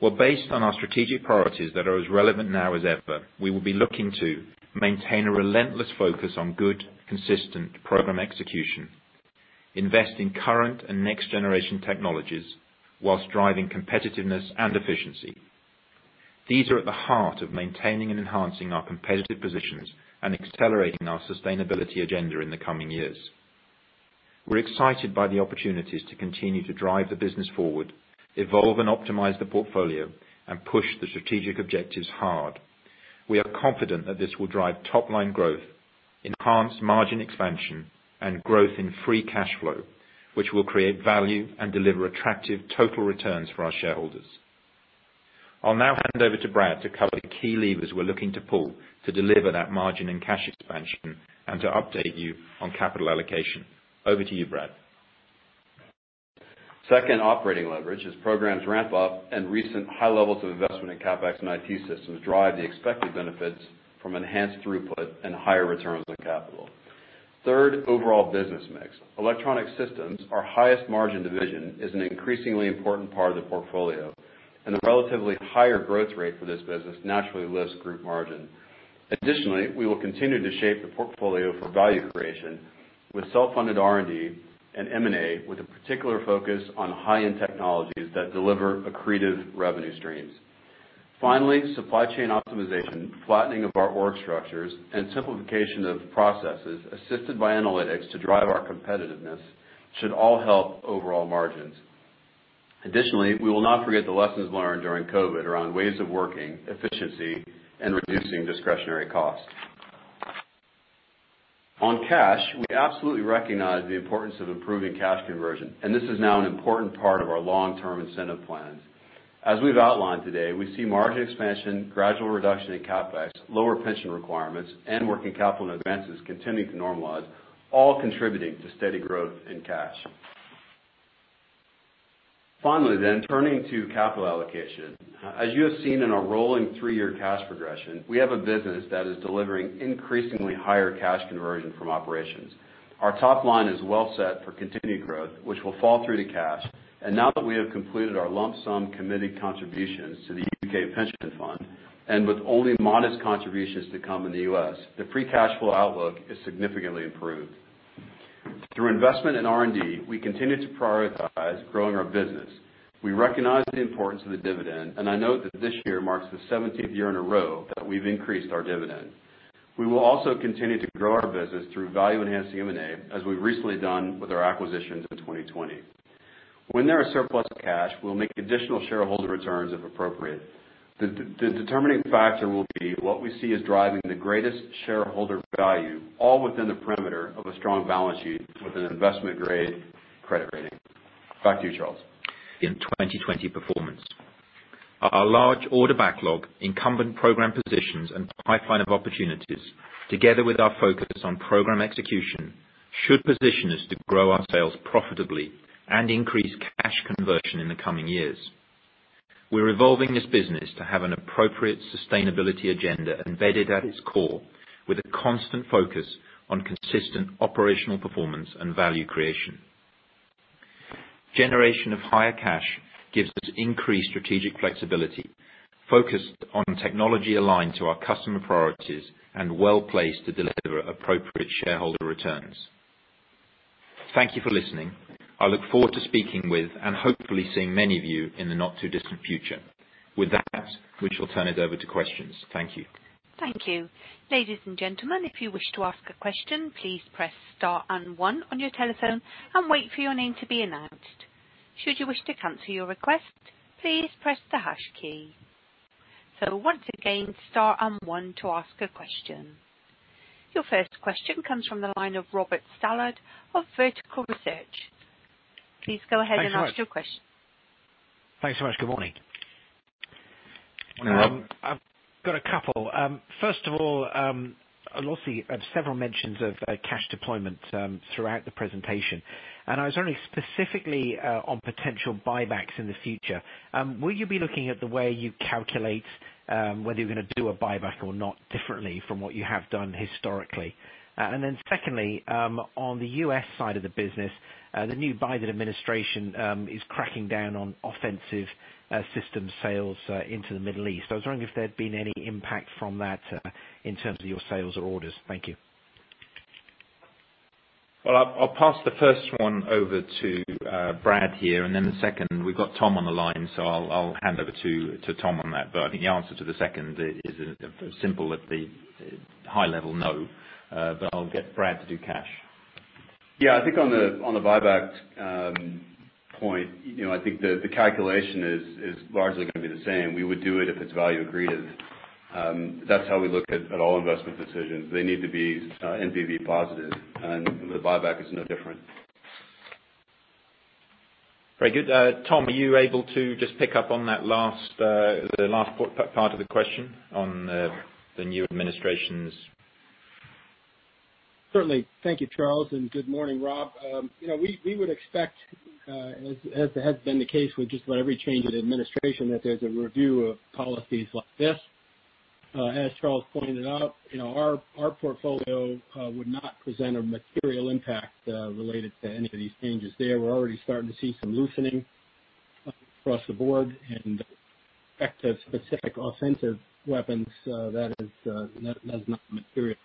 Well, based on our strategic priorities that are as relevant now as ever, we will be looking to maintain a relentless focus on good, consistent program execution, invest in current and next-generation technologies, whilst driving competitiveness and efficiency. These are at the heart of maintaining and enhancing our competitive positions and accelerating our sustainability agenda in the coming years. We're excited by the opportunities to continue to drive the business forward, evolve and optimize the portfolio, and push the strategic objectives hard. We are confident that this will drive top-line growth, enhanced margin expansion, and growth in free cash flow, which will create value and deliver attractive total returns for our shareholders. I'll now hand over to Brad to cover the key levers we're looking to pull to deliver that margin and cash expansion and to update you on capital allocation. Over to you, Brad. Second, operating leverage. As programs ramp up and recent high levels of investment in CapEx and IT systems drive the expected benefits from enhanced throughput and higher returns on capital. Third, overall business mix. Electronic Systems, our highest margin division, is an increasingly important part of the portfolio, and the relatively higher growth rate for this business naturally lifts group margin. Additionally, we will continue to shape the portfolio for value creation with self-funded R&D and M&A, with a particular focus on high-end technologies that deliver accretive revenue streams. Finally, supply chain optimization, flattening of our org structures, and simplification of processes assisted by analytics to drive our competitiveness should all help overall margins. Additionally, we will not forget the lessons learned during COVID around ways of working, efficiency, and reducing discretionary costs. On cash, we absolutely recognize the importance of improving cash conversion, and this is now an important part of our long-term incentive plans. As we've outlined today, we see margin expansion, gradual reduction in CapEx, lower pension requirements, and working capital advances continuing to normalize, all contributing to steady growth in cash. Finally, then turning to capital allocation. As you have seen in our rolling three-year cash progression, we have a business that is delivering increasingly higher cash conversion from operations. Our top line is well set for continued growth, which will fall through to cash. Now that we have completed our lump sum committed contributions to the U.K. pension fund, and with only modest contributions to come in the U.S., the free cash flow outlook is significantly improved. Through investment in R&D, we continue to prioritize growing our business. We recognize the importance of the dividend. I note that this year marks the 17th year in a row that we've increased our dividend. We will also continue to grow our business through value-enhancing M&A, as we've recently done with our acquisitions in 2020. When there are surplus cash, we'll make additional shareholder returns if appropriate. The determining factor will be what we see as driving the greatest shareholder value, all within the perimeter of a strong balance sheet with an investment-grade credit rating. Back to you, Charles. In 2020 performance, our large order backlog, incumbent program positions, and pipeline of opportunities, together with our focus on program execution, should position us to grow our sales profitably and increase cash conversion in the coming years. We're evolving this business to have an appropriate sustainability agenda embedded at its core, with a constant focus on consistent operational performance and value creation. Generation of higher cash gives us increased strategic flexibility, focused on technology aligned to our customer priorities and well-placed to deliver appropriate shareholder returns. Thank you for listening. I look forward to speaking with and hopefully seeing many of you in the not-too-distant future. With that we shall turn it over to questions. Thank you. Thank you. Ladies and gentlemen, if you wish to ask a question, please press star and one on your telephone and wait for your name to be announced. Should you wish to cancel your request, please press the hash key. Once again, star and one to ask a question. Your first question comes from the line of Robert Stallard of Vertical Research. Please go ahead and ask your question. Thanks so much. Good morning. Morning. I've got a couple. First of all, I lost several mentions of cash deployment throughout the presentation. I was wondering specifically on potential buybacks in the future. Will you be looking at the way you calculate whether you're going to do a buyback or not differently from what you have done historically? Secondly, on the U.S. side of the business, the new Biden administration is cracking down on offensive systems sales into the Middle East. I was wondering if there had been any impact from that in terms of your sales or orders. Thank you. Well, I'll pass the first one over to Brad here. Then the second, we've got Tom on the line, so I'll hand over to Tom on that. I think the answer to the second is simple at the high level, no. I'll get Brad to do cash. Yeah, I think on the buyback point, I think the calculation is largely going to be the same. We would do it if it's value accretive. That's how we look at all investment decisions. They need to be NPV positive. The buyback is no different. Very good. Tom, are you able to just pick up on the last part of the question on the new administration's? Certainly. Thank you, Charles, and good morning, Rob. We would expect, as has been the case with just about every change in administration, that there's a review of policies like this. As Charles pointed out, our portfolio would not present a material impact related to any of these changes there. We're already starting to see some loosening across the board and effective specific offensive weapons. That is not a material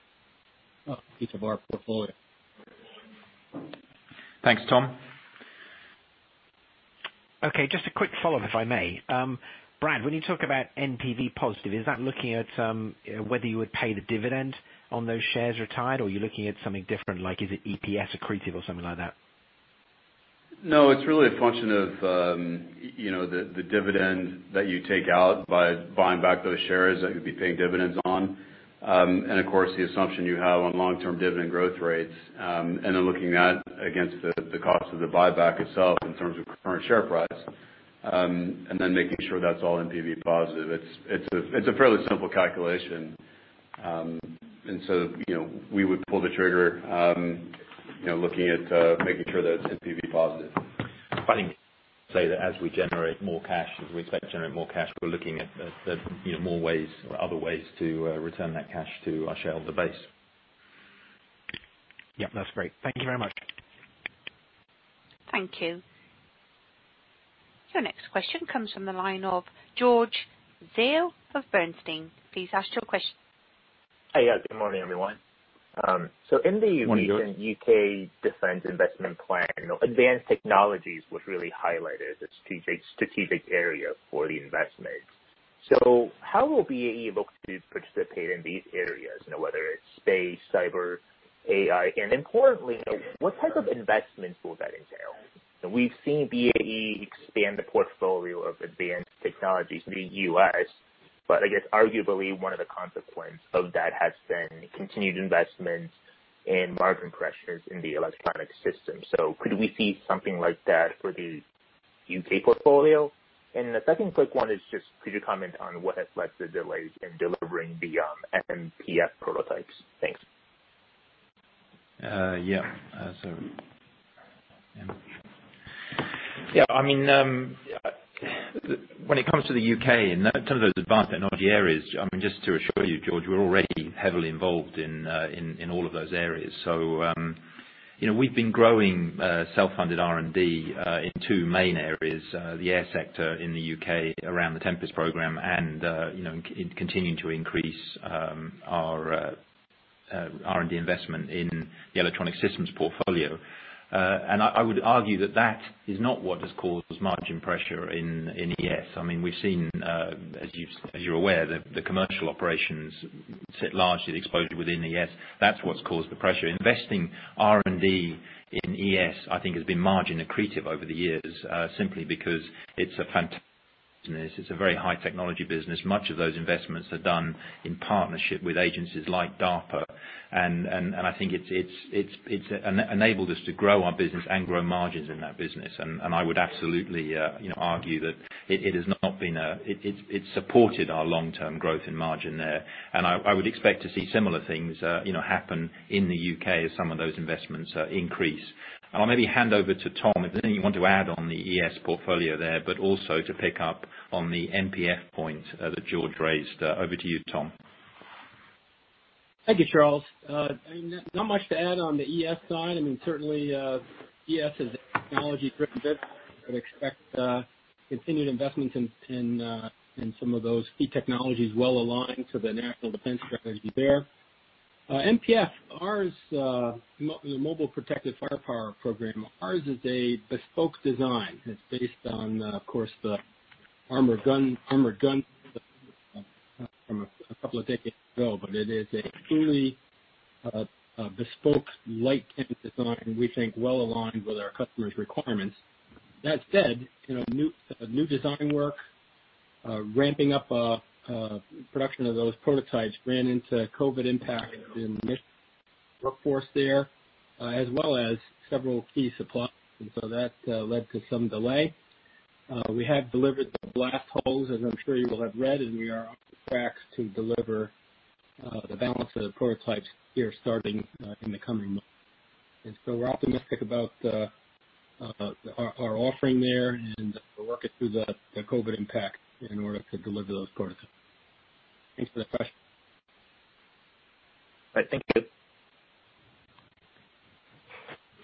piece of our portfolio. Thanks, Tom. Okay, just a quick follow-up, if I may. Brad, when you talk about NPV positive, is that looking at whether you would pay the dividend on those shares retired or you're looking at something different, like is it EPS accretive or something like that? No. It's really a function of the dividend that you take out by buying back those shares that you'd be paying dividends on. Of course, the assumption you have on long-term dividend growth rates, and then looking at against the cost of the buyback itself in terms of current share price, and then making sure that's all NPV positive. It's a fairly simple calculation. We would pull the trigger looking at making sure that it's NPV positive. Planning say that as we generate more cash, as we expect to generate more cash, we're looking at more ways or other ways to return that cash to our shareholder base. Yep, that's great. Thank you very much. Thank you. Your next question comes from the line of George Zhao of Bernstein. Please ask your question. Hey. Yeah, good morning, everyone. Morning, George. In the recent U.K. defense investment plan, advanced technologies was really highlighted as a strategic area for the investment. How will BAE look to participate in these areas, whether it's space, cyber, AI, and importantly, what type of investments will that entail? We've seen BAE expand the portfolio of advanced technologies in the U.S., but I guess arguably one of the consequences of that has been continued investments in margin pressures in the Electronic Systems. Could we see something like that for the U.K. portfolio? The second quick one is just could you comment on what has led to delays in delivering the MPF prototypes? Thanks. Yeah. When it comes to the U.K. and some of those advanced and emerging areas, just to assure you, George, we're already heavily involved in all of those areas. We've been growing self-funded R&D in two main areas, the air sector in the U.K. around the Tempest program, continuing to increase our R&D investment in the Electronic Systems portfolio. I would argue that is not what has caused this margin pressure in ES. We've seen, as you're aware, the commercial operations sit largely exposed within ES. That's what's caused the pressure. Investing R&D in ES, I think, has been margin accretive over the years simply because it's a fantastic business. It's a very high technology business. Much of those investments are done in partnership with agencies like DARPA, I think it's enabled us to grow our business and grow margins in that business. I would absolutely argue that it supported our long-term growth in margin there. I would expect to see similar things happen in the U.K. as some of those investments increase. I'll maybe hand over to Tom if there's anything you want to add on the ES portfolio there, but also to pick up on the MPF point that George raised. Over to you, Tom. Thank you, Charles. Not much to add on the ES side. Certainly, ES is a technology-driven business. I'd expect continued investments in some of those key technologies well-aligned to the National Defense Strategy there. MPF, the Mobile Protected Firepower program, ours is a bespoke design. It's based on, of course, the Armored Gun from a couple of decades ago, but it is a truly bespoke light Tempest design, and we think well-aligned with our customers' requirements. That said, new design work, ramping up production of those prototypes ran into COVID impact in the workforce there, as well as several key suppliers, and so that led to some delay. We have delivered the blast hulls, as I'm sure you will have read, and we are on track to deliver the balance of the prototypes here starting in the coming months. We're optimistic about our offering there and we're working through the COVID impact in order to deliver those prototypes. Thanks for the question. Right. Thank you.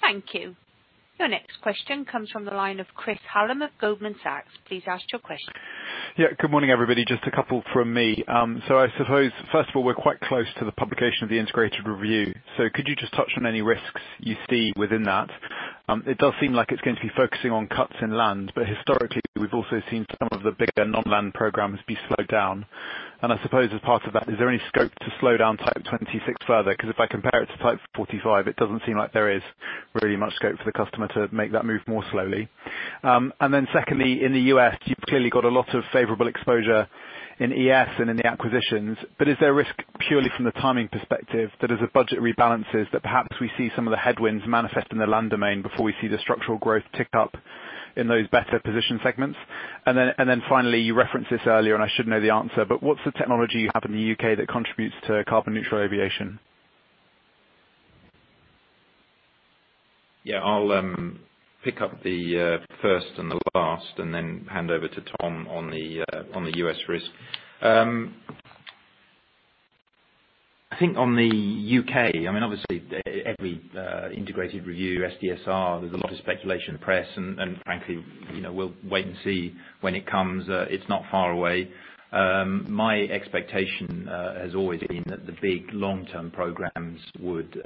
Thank you. Your next question comes from the line of Chris Hallam of Goldman Sachs. Please ask your question. Yeah. Good morning, everybody. Just a couple from me. I suppose, first of all, we're quite close to the publication of the integrated review. Could you just touch on any risks you see within that? It does seem like it's going to be focusing on cuts in land, but historically, we've also seen some of the bigger non-land programs be slowed down. I suppose as part of that, is there any scope to slow down Type 26 further? Because if I compare it to Type 45, it doesn't seem like there is really much scope for the customer to make that move more slowly. Secondly, in the U.S., you've clearly got a lot of favorable exposure in ES and in the acquisitions, but is there a risk purely from the timing perspective that as the budget rebalances, that perhaps we see some of the headwinds manifest in the land domain before we see the structural growth tick up in those better position segments? Finally, you referenced this earlier, and I should know the answer, but what's the technology you have in the U.K. that contributes to carbon-neutral aviation? Yeah. I'll pick up the first and the last and then hand over to Tom on the U.S. risk. I think on the U.K., obviously every Integrated Review, SDSR, there's a lot of speculation in the press, frankly, we'll wait and see when it comes. It's not far away. My expectation has always been that the big long-term programs would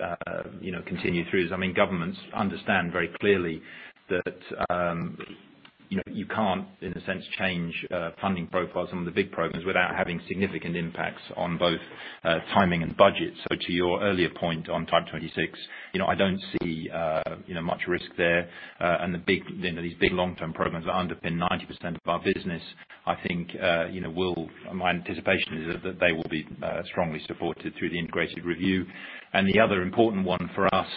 continue through. Governments understand very clearly that you can't, in a sense, change funding profiles on the big programs without having significant impacts on both timing and budget. To your earlier point on Type 26, I don't see much risk there. These big long-term programs that underpin 90% of our business, my anticipation is that they will be strongly supported through the Integrated Review. The other important one for us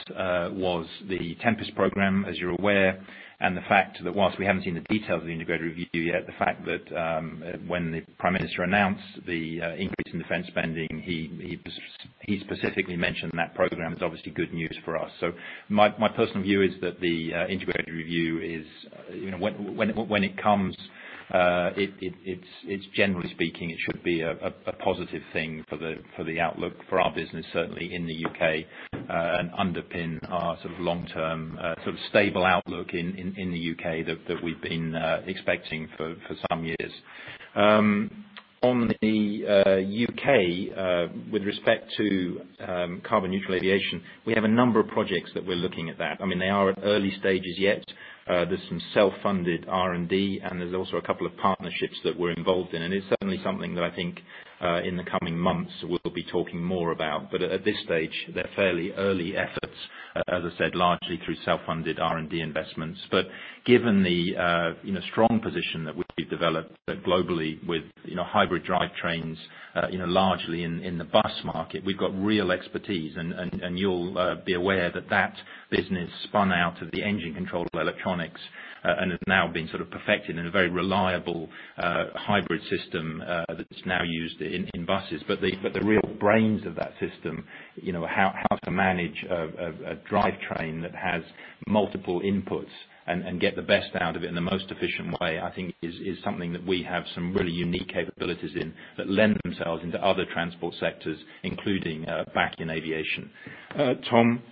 was the Tempest program, as you are aware, and the fact that whilst we haven't seen the details of the integrated review yet, the fact that when the Prime Minister announced the increase in defense spending, he specifically mentioned that program is obviously good news for us. My personal view is that the integrated review is, when it comes, generally speaking, it should be a positive thing for the outlook for our business, certainly in the U.K., and underpin our long-term stable outlook in the U.K. that we've been expecting for some years. On the U.K., with respect to carbon-neutral aviation, we have a number of projects that we're looking at that. They are at early stages yet. There's some self-funded R&D, and there's also a couple of partnerships that we're involved in. It's certainly something that I think, in the coming months, we'll be talking more about. At this stage, they're fairly early efforts, as I said, largely through self-funded R&D investments. Given the strong position that we've developed globally with hybrid drivetrains, largely in the bus market, we've got real expertise. You'll be aware that business spun out of the engine control of electronics and has now been perfected in a very reliable hybrid system that's now used in buses. The real brains of that system, how to manage a drivetrain that has multiple inputs and get the best out of it in the most efficient way, I think, is something that we have some really unique capabilities in that lend themselves into other transport sectors, including back in aviation. Tom?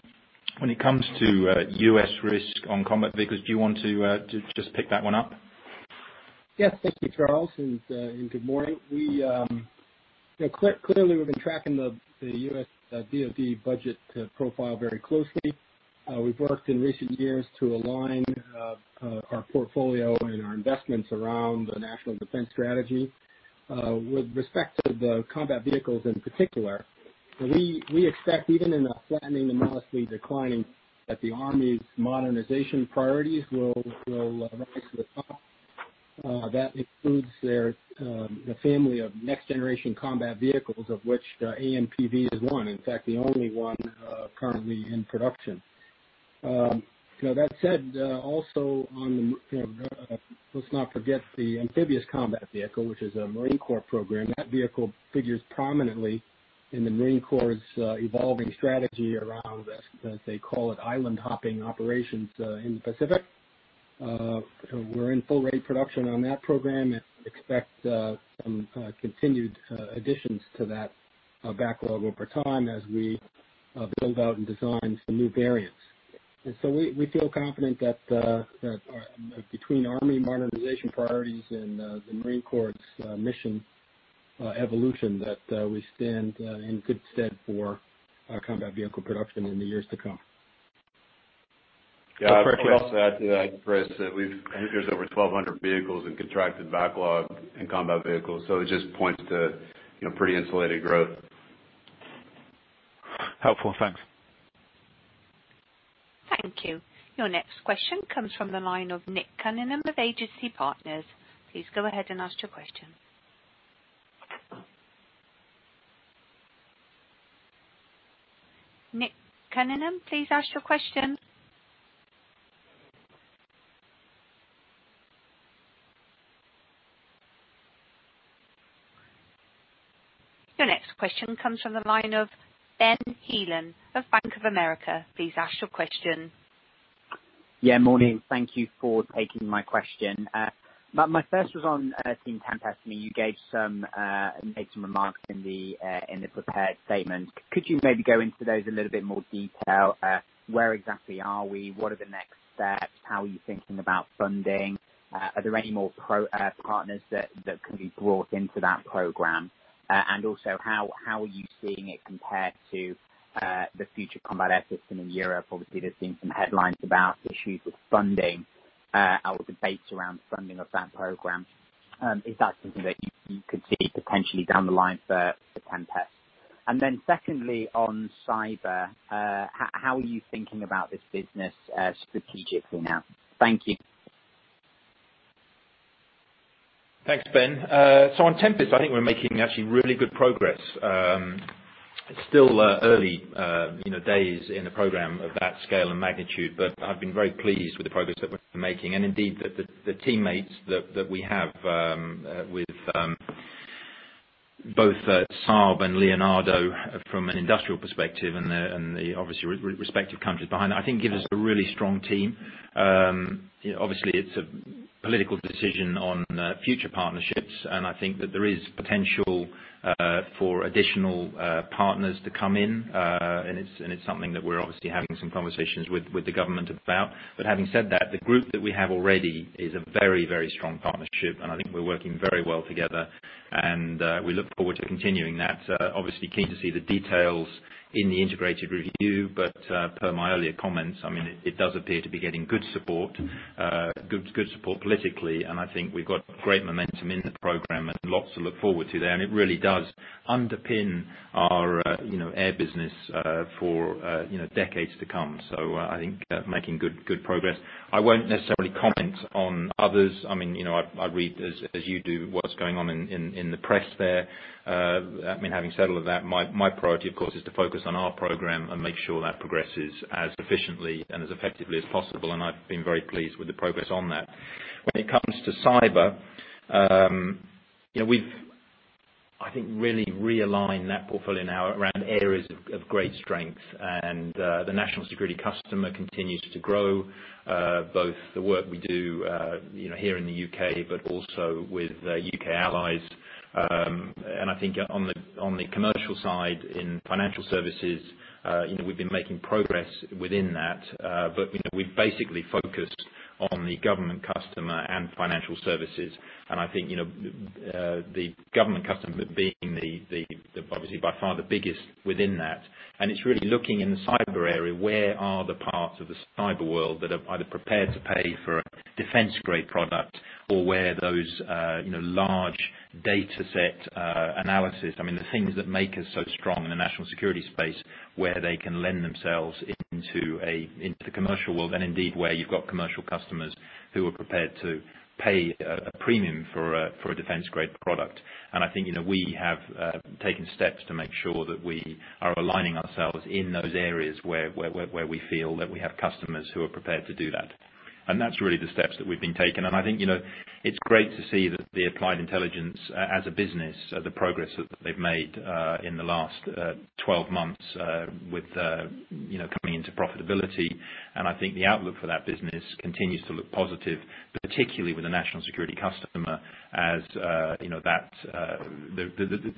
When it comes to U.S. risk on combat vehicles, do you want to just pick that one up? Yes. Thank you, Charles. Good morning. Clearly, we've been tracking the U.S. DoD budget profile very closely. We've worked in recent years to align our portfolio and our investments around the National Defense Strategy. With respect to the combat vehicles in particular, we expect, even in a flattening to modestly declining, that the Army's modernization priorities will rise to the top. That includes the family of next generation combat vehicles, of which AMPV is one, in fact, the only one currently in production. That said, let's not forget the amphibious combat vehicle, which is a Marine Corps program. That vehicle figures prominently in the Marine Corps' evolving strategy around, as they call it, island hopping operations in the Pacific. We're in full rate production on that program and expect some continued additions to that backlog over time as we build out and design some new variants. We feel confident that between Army modernization priorities and the Marine Corps' mission evolution, that we stand in good stead for combat vehicle production in the years to come. Yeah. I'll just add to that, Chris, that I think there's over 1,200 vehicles in contracted backlog in combat vehicles. It just points to pretty insulated growth. Helpful. Thanks. Thank you. Your next question comes from the line of Nick Cunningham of Agency Partners. Please go ahead and ask your question. Nick Cunningham, please ask your question. Your next question comes from the line of Ben Heelan of Bank of America. Please ask your question. Yeah, morning. Thank you for taking my question. My first was on Team Tempest. You made some remarks in the prepared statement. Could you maybe go into those in a little bit more detail? Where exactly are we? What are the next steps? How are you thinking about funding? Also, are there any more partners that can be brought into that program? Also how are you seeing it compared to the Future Combat Air System in Europe? Obviously, there's been some headlines about issues with funding, or debates around funding of that program. Is that something that you could see potentially down the line for Tempest? Secondly, on cyber, how are you thinking about this business strategically now? Thank you. Thanks, Ben. On Tempest, I think we're making actually really good progress. It's still early days in a program of that scale and magnitude, but I've been very pleased with the progress that we're making. Indeed, the teammates that we have with both Saab and Leonardo from an industrial perspective and obviously respective countries behind that, I think gives us a really strong team. Obviously, it's a political decision on future partnerships, and I think that there is potential for additional partners to come in, and it's something that we're obviously having some conversations with the government about. Having said that, the group that we have already is a very, very strong partnership, and I think we're working very well together and we look forward to continuing that. Obviously keen to see the details in the Integrated Review, but per my earlier comments, it does appear to be getting good support politically, and I think we've got great momentum in the program and lots to look forward to there. It really does underpin our air business for decades to come. I think making good progress. I won't necessarily comment on others. I read, as you do, what's going on in the press there. Having said all of that, my priority, of course, is to focus on our program and make sure that progresses as efficiently and as effectively as possible, and I've been very pleased with the progress on that. When it comes to cyber, we've, I think, really realigned that portfolio now around areas of great strength. The national security customer continues to grow, both the work we do here in the U.K., but also with U.K. allies. I think on the commercial side, in financial services, we've been making progress within that. We've basically focused on the government customer and financial services, and I think the government customer being obviously by far the biggest within that. It's really looking in the cyber area, where are the parts of the cyber world that are either prepared to pay for a defense-grade product or where those large dataset analysis, the things that make us so strong in the national security space, where they can lend themselves into the commercial world, and indeed, where you've got commercial customers who are prepared to pay a premium for a defense-grade product. I think we have taken steps to make sure that we are aligning ourselves in those areas where we feel that we have customers who are prepared to do that. That's really the steps that we've been taking. I think it's great to see that the Applied Intelligence as a business, the progress that they've made in the last 12 months with coming into profitability. I think the outlook for that business continues to look positive, particularly with the national security customer, as the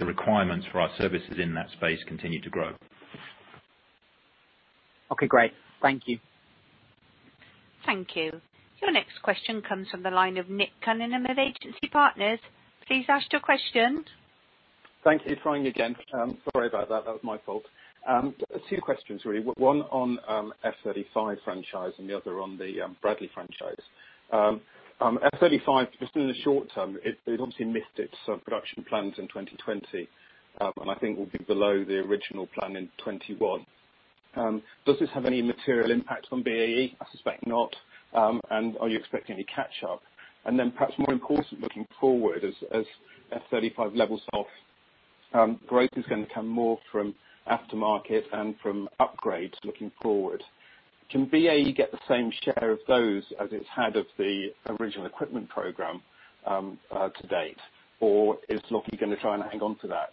requirements for our services in that space continue to grow. Okay, great. Thank you. Thank you. Your next question comes from the line of Nick Cunningham of Agency Partners. Please ask your question. Thank you. Trying again. Sorry about that. That was my fault. Two questions really. One on F-35 franchise and the other on the Bradley franchise. F-35, just in the short term, it obviously missed its production plans in 2020, and I think will be below the original plan in 2021. Does this have any material impact on BAE? I suspect not. Are you expecting any catch-up? Perhaps more important, looking forward, as F-35 levels off, growth is going to come more from aftermarket and from upgrades looking forward. Can BAE get the same share of those as it's had of the original equipment program to date, or is Lockheed going to try and hang on to that?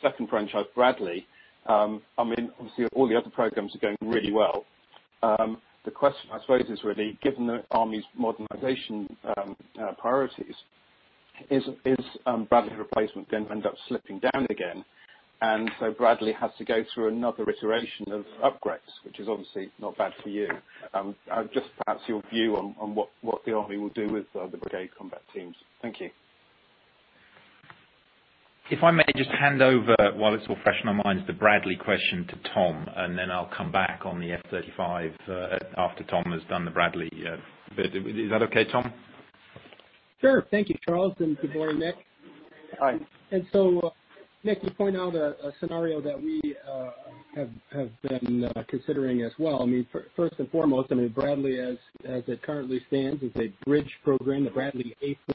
Second franchise, Bradley, obviously all the other programs are going really well. The question, I suppose, is really, given the Army's modernization priorities, is Bradley replacement going to end up slipping down again, and so Bradley has to go through another iteration of upgrades, which is obviously not bad for you? Just perhaps your view on what the Army will do with the brigade combat teams. Thank you. If I may just hand over while it's all fresh in our minds, the Bradley question to Tom, and then I'll come back on the F-35, after Tom has done the Bradley bit. Is that okay, Tom? Sure. Thank you, Charles, and good morning, Nick. Hi. Nick, you point out a scenario that we have been considering as well. First and foremost, Bradley, as it currently stands, is a bridge program. The Bradley A4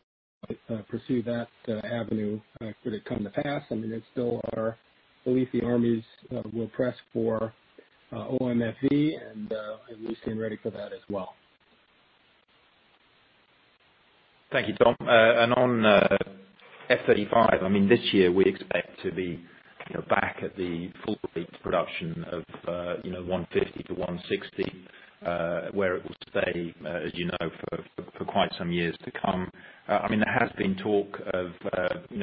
will pursue that avenue should it come to pass. It's still our belief the armies will press for OMFV, and we stand ready for that as well. Thank you, Tom. On F-35, this year we expect to be back at the full peak production of 150-160, where it will stay, as you know, for quite some years to come. There has been talk of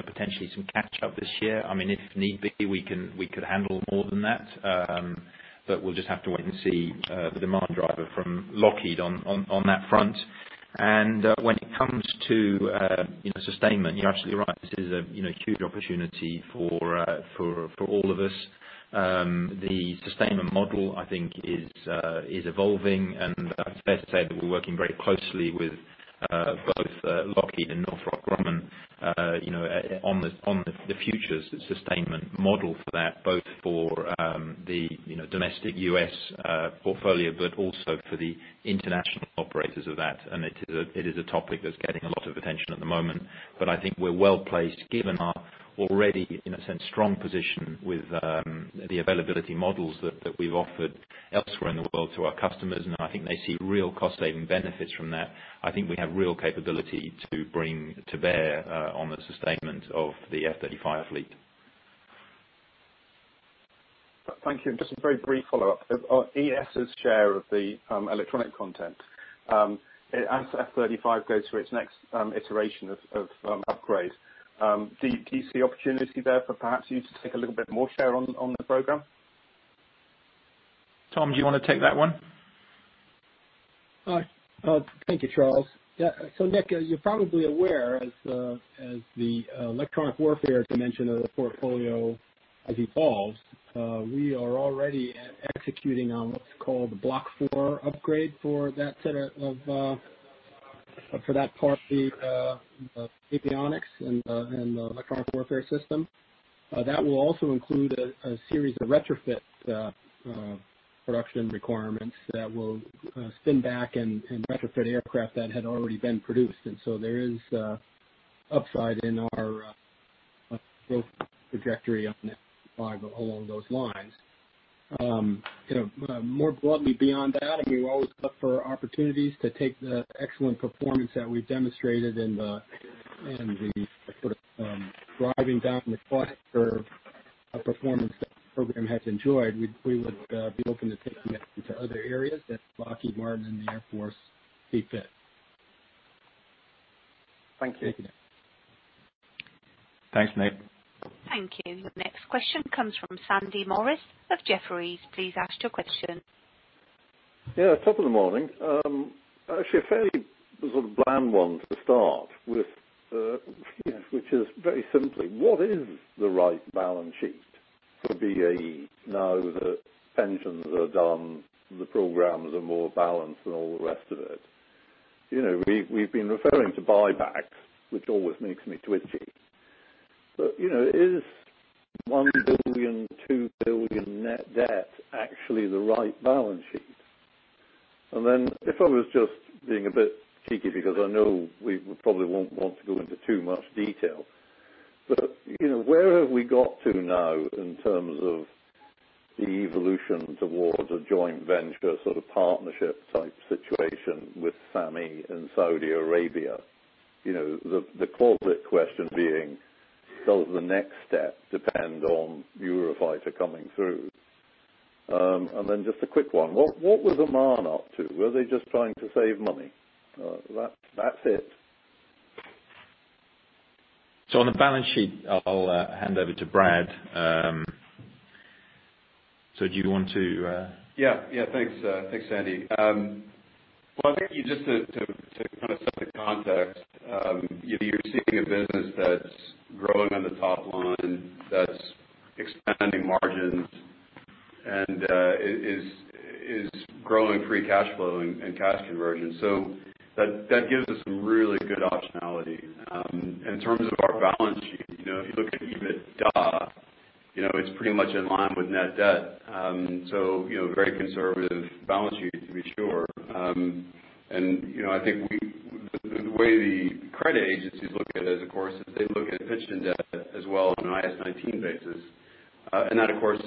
potentially some catch-up this year. If need be, we could handle more than that. We'll just have to wait and see the demand driver from Lockheed on that front. When it comes to sustainment, you're absolutely right. This is a huge opportunity for all of us. The sustainment model, I think, is evolving, and it's fair to say that we're working very closely with both Lockheed and Northrop Grumman, on the future sustainment model for that, both for the domestic U.S. portfolio, but also for the international operators of that. It is a topic that's getting a lot of attention at the moment. I think we're well-placed given our already, in a sense, strong position with the availability models that we've offered elsewhere in the world to our customers, and I think they see real cost-saving benefits from that. I think we have real capability to bring to bear on the sustainment of the F-35 fleet. Thank you. Just a very brief follow-up. ES's share of the electronic content. As F-35 goes through its next iteration of upgrade, do you see opportunity there for perhaps you to take a little bit more share on the program? Tom, do you want to take that one? Thank you, Charles. Nick, you're probably aware, as the electronic warfare dimension of the portfolio evolves, we are already executing on what's called Block 4 upgrade for that set of, for that part of the avionics and the electronic warfare system. That will also include a series of retrofit production requirements that will spin back and retrofit aircraft that had already been produced. There is upside in our growth trajectory on that along those lines. More broadly beyond that, we're always up for opportunities to take the excellent performance that we've demonstrated and the sort of driving down the cost curve of performance that the program has enjoyed. We would be open to taking that into other areas that Lockheed Martin and the Air Force see fit. Thank you. Thanks, Nick. Thank you. The next question comes from Sandy Morris of Jefferies. Please ask your question. Top of the morning. Actually a fairly sort of bland one to start with, which is very simply, what is the right balance sheet for BAE now that pensions are done, the programs are more balanced and all the rest of it? We've been referring to buy backs, which always make me twitchy. Is 1 billion, 2 billion net debt actually the right balance sheet? If I was just being a bit cheeky because I know we probably won't want to go into too much detail, where have we got to now in terms of the evolution towards a joint venture sort of partnership type situation with SAMI and Saudi Arabia? The closer question being, does the next step depend on Eurofighter coming through? Just a quick one. What was Oman up to? Were they just trying to save money? That's it. On the balance sheet, I'll hand over to Brad. Do you want to? Yeah. Thanks, Sandy. Well, I think just to set the context, you're seeing a business that's growing on the top line, that's expanding margins and is growing free cash flow and cash conversion. That gives us some really good optionality. In terms of our balance sheet, if you look at EBITDA, it's pretty much in line with net debt. Very conservative balance sheet, to be sure. I think the way the credit agencies look at it, of course, is they look at pension debt as well on an IAS 19 basis. That, of course,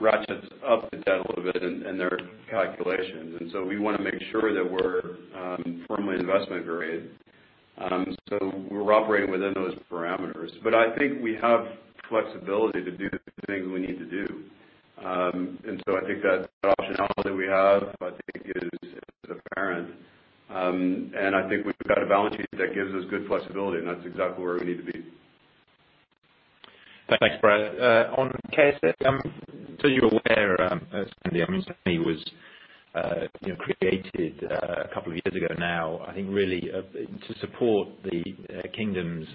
ratchets up the debt a little bit in their calculations. We want to make sure that we're firmly investment grade. We're operating within those parameters. I think we have flexibility to do the things we need to do. I think that optionality we have, I think is apparent. I think we've got a balance sheet that gives us good flexibility, and that's exactly where we need to be. Thanks, Brad. On KSA, so you're aware, SAMI was created a couple of years ago now, I think really to support the kingdom's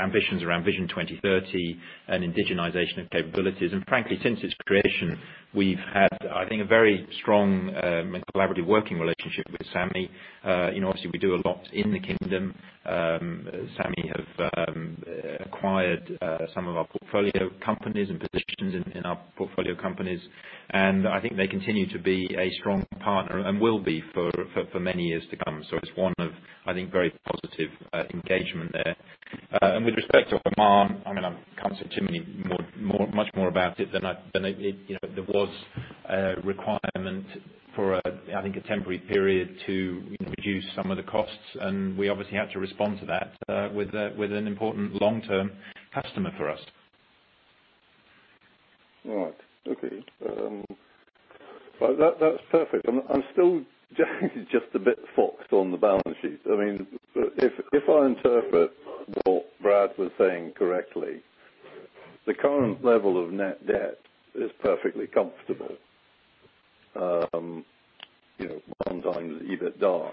ambitions around Vision 2030 and indigenization of capabilities. Frankly, since its creation, we've had, I think, a very strong and collaborative working relationship with SAMI. Obviously, we do a lot in the kingdom. SAMI have acquired some of our portfolio companies and positions in our portfolio companies, and I think they continue to be a strong partner and will be for many years to come. It's one of, I think, very positive engagement there. With respect to Oman, I mean, I can't say much more about it than there was a requirement for, I think, a temporary period to reduce some of the costs, and we obviously had to respond to that with an important long-term customer for us. Right. Okay. Well, that's perfect. I'm still just a bit foxed on the balance sheet. If I interpret what Brad was saying correctly, the current level of net debt is perfectly comfortable. One times EBITDA.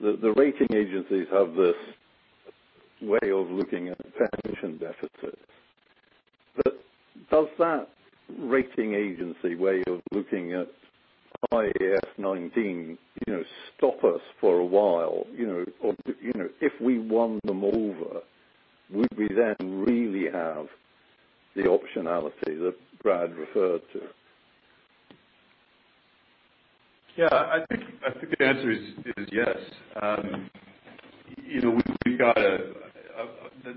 The rating agencies have this way of looking at pension deficits. Does that rating agency way of looking at IAS 19 stop us for a while? If we won them over, would we then really have the optionality that Brad referred to? Yeah, I think the answer is yes.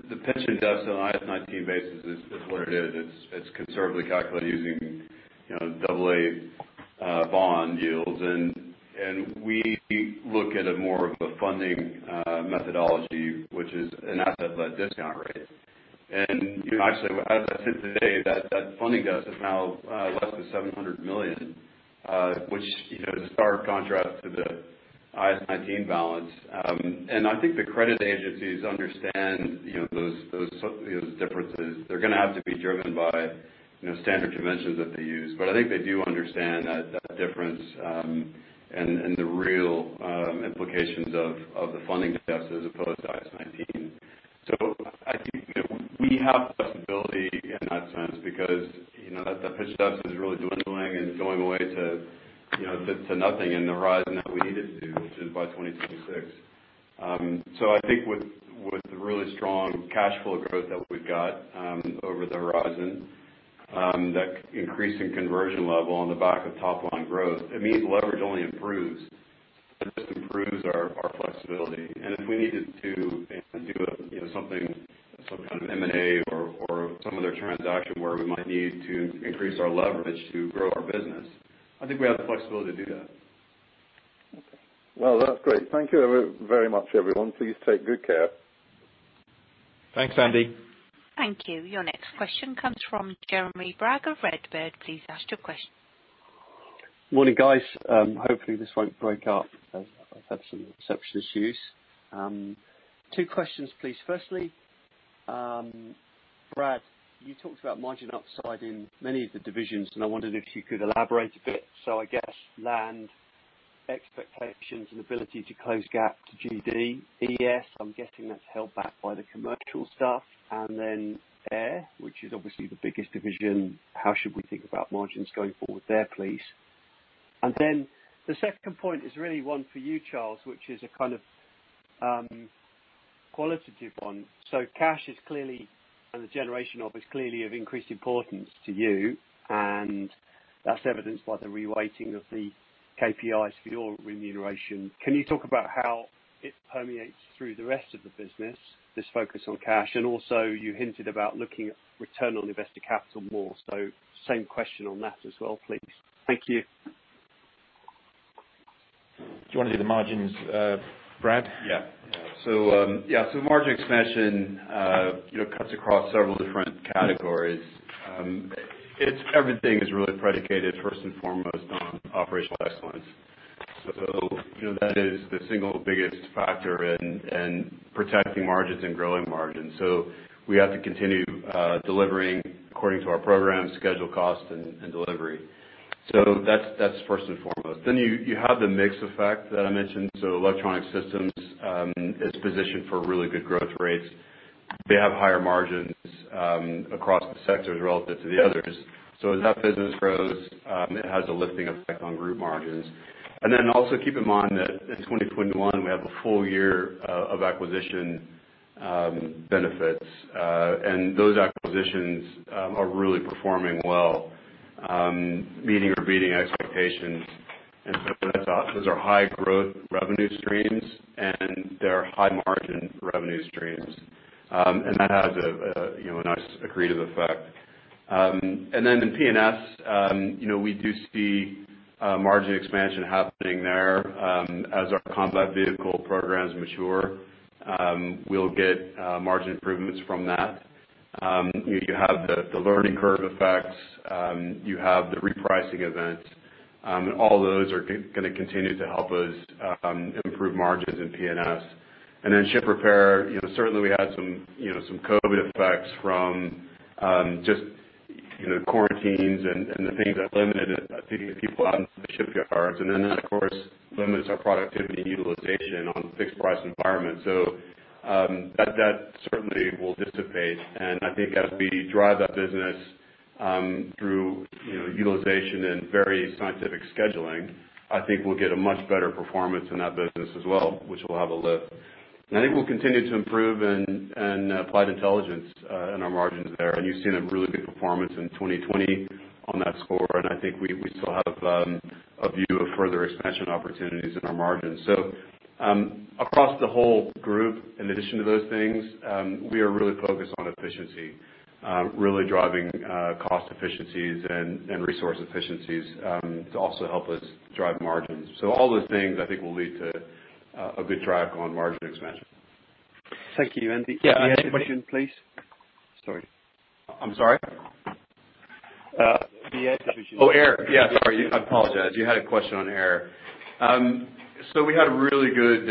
The pension debt on an IAS 19 basis is what it is. It's conservatively calculated using double-A bond yields. We look at it more of a funding methodology, which is an asset-led discount rate. Actually, as I said today, that funding debt is now less than 700 million, which is a stark contrast to the IAS 19 balance. I think the credit agencies understand those differences. They're going to have to be driven by standard conventions that they use. I think they do understand that difference and the real implications of the funding debts as opposed to IAS 19. I think we have flexibility in that sense because that pension debt is really dwindling and going away to nothing in the horizon that we need it to, which is by 2026. I think with the really strong cash flow growth that we've got over the horizon, that increasing conversion level on the back of top-line growth, it means leverage only improves. It just improves our flexibility. If we needed to do some kind of M&A or some other transaction where we might need to increase our leverage to grow our business, I think we have the flexibility to do that. Okay. Well, that's great. Thank you very much, everyone. Please take good care. Thanks, Sandy. Thank you. Your next question comes from Jeremy Bragg of Redburn. Please ask your question. Morning, guys. Hopefully this won't break up as I've had some reception issues. Two questions, please. Brad, you talked about margin upside in many of the divisions, and I wondered if you could elaborate a bit. I guess land expectations and ability to close gap to GD. ES, I'm getting that's held back by the commercial stuff, and then Air, which is obviously the biggest division. How should we think about margins going forward there, please? The second point is really one for you, Charles, which is a kind of qualitative one. Cash and the generation of is clearly of increased importance to you, and that's evidenced by the reweighting of the KPIs for your remuneration. Can you talk about how it permeates through the rest of the business, this focus on cash? Also, you hinted about looking at return on invested capital more, so same question on that as well, please. Thank you. Do you want to do the margins, Brad? Yeah. Margin expansion cuts across several different categories. Everything is really predicated first and foremost on operational excellence. That is the single biggest factor in protecting margins and growing margins. We have to continue delivering according to our program, schedule, cost and delivery. That's first and foremost. You have the mix effect that I mentioned. Electronic Systems is positioned for really good growth rates. They have higher margins across the sectors relative to the others. As that business grows, it has a lifting effect on group margins. Also keep in mind that in 2021, we have a full year of acquisition benefits. Those acquisitions are really performing well, meeting or beating expectations. Those are high growth revenue streams, and they are high margin revenue streams. That has a nice accretive effect. In P&S, we do see margin expansion happening there. As our combat vehicle programs mature, we'll get margin improvements from that. You have the learning curve effects. You have the repricing events. All those are going to continue to help us improve margins in P&S. Ship Repair, certainly we had some COVID effects from just quarantines and the things that limited, I think, the people out into the shipyards. That, of course, limits our productivity and utilization on a fixed price environment. That certainly will dissipate. I think as we drive that business through utilization and very scientific scheduling, I think we'll get a much better performance in that business as well, which will have a lift. I think we'll continue to improve in Applied Intelligence, in our margins there. You've seen a really good performance in 2020 on that score, and I think we still have a view of further expansion opportunities in our margins. Across the whole group, in addition to those things, we are really focused on efficiency, really driving cost efficiencies and resource efficiencies to also help us drive margins. All the things I think will lead to a good drive on margin expansion. Thank you. The Air Division please? Sorry. I'm sorry? The Air Division. I apologize. You had a question on Air. We had a really good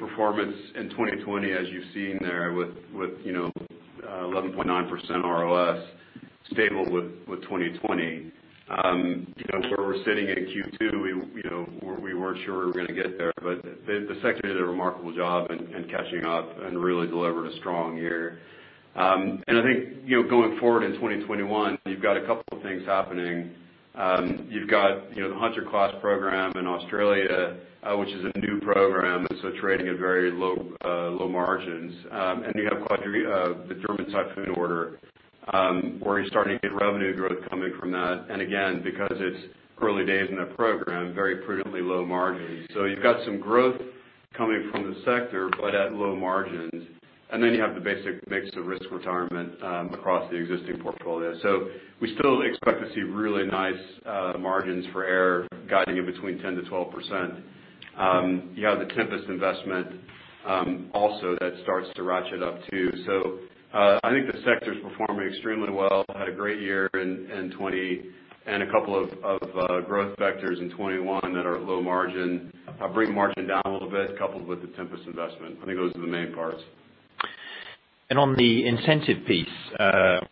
performance in 2020, as you've seen there with 11.9% ROS, stable with 2020. Where we're sitting in Q2, we weren't sure we were going to get there, the sector did a remarkable job in catching up and really delivered a strong year. I think, going forward in 2021, you've got a couple of things happening. You've got the Hunter class program in Australia, which is a new program, trading at very low margins. You have the German Typhoon order, where you're starting to get revenue growth coming from that. Again, because it's early days in that program, very prudently low margins. You've got some growth coming from the sector, but at low margins. You have the basic mix of risk retirement across the existing portfolio. We still expect to see really nice margins for Air guiding in between 10%-12%. You have the Tempest investment also that starts to ratchet up, too. I think the sector's performing extremely well, had a great year in 2020, and a couple of growth vectors in 2021 that are low margin, bring margin down a little bit coupled with the Tempest investment. I think those are the main parts. On the incentive piece,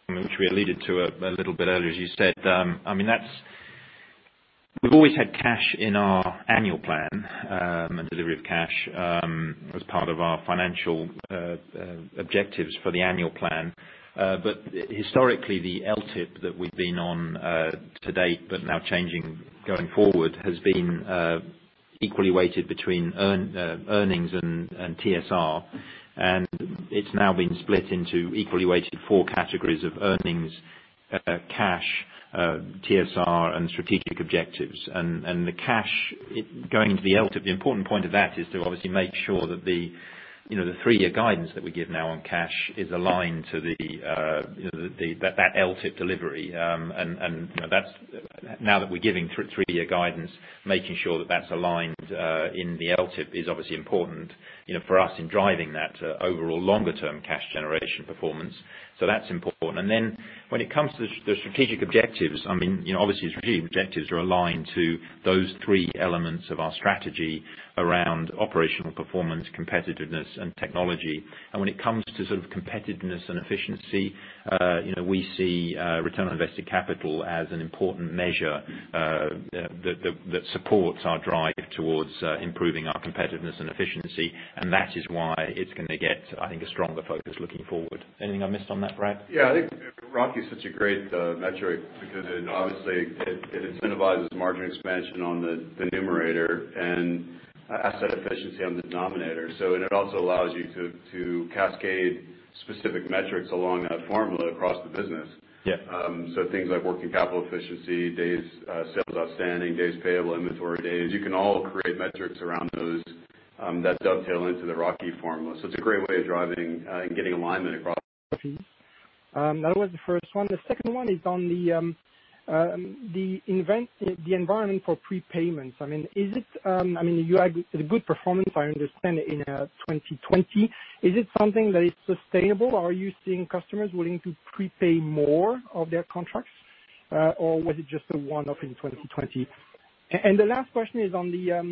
which we alluded to a little bit earlier, as you said, we've always had cash in our annual plan, and delivery of cash, as part of our financial objectives for the annual plan. Historically, the LTIP that we've been on to date, but now changing going forward, has been equally weighted between earnings and TSR. It's now been split into equally weighted four categories of earnings, cash, TSR, and strategic objectives. The cash going into the LTIP, the important point of that is to obviously make sure that the three-year guidance that we give now on cash is aligned to that LTIP delivery. Now that we're giving three-year guidance, making sure that that's aligned in the LTIP is obviously important for us in driving that overall longer-term cash generation performance. That's important. When it comes to the strategic objectives, obviously, strategic objectives are aligned to those three elements of our strategy around operational performance, competitiveness, and technology. When it comes to sort of competitiveness and efficiency, we see return on invested capital as an important measure that supports our drive towards improving our competitiveness and efficiency. That is why it's going to get, I think, a stronger focus looking forward. Anything I missed on that, Brad? Yeah, I think ROACE is such a great metric because it obviously incentivizes margin expansion on the numerator and asset efficiency on the denominator. It also allows you to cascade specific metrics along that formula across the business. Yeah. Things like working capital efficiency, days sales outstanding, days payable, inventory days, you can all create metrics around those that dovetail into the ROACE formula. It's a great way of driving and getting alignment across the team. That was the first one. The second one is on the environment for prepayments. You had a good performance, I understand, in 2020. Is it something that is sustainable? Are you seeing customers willing to prepay more of their contracts? Or was it just a one-off in 2020? The last question is on your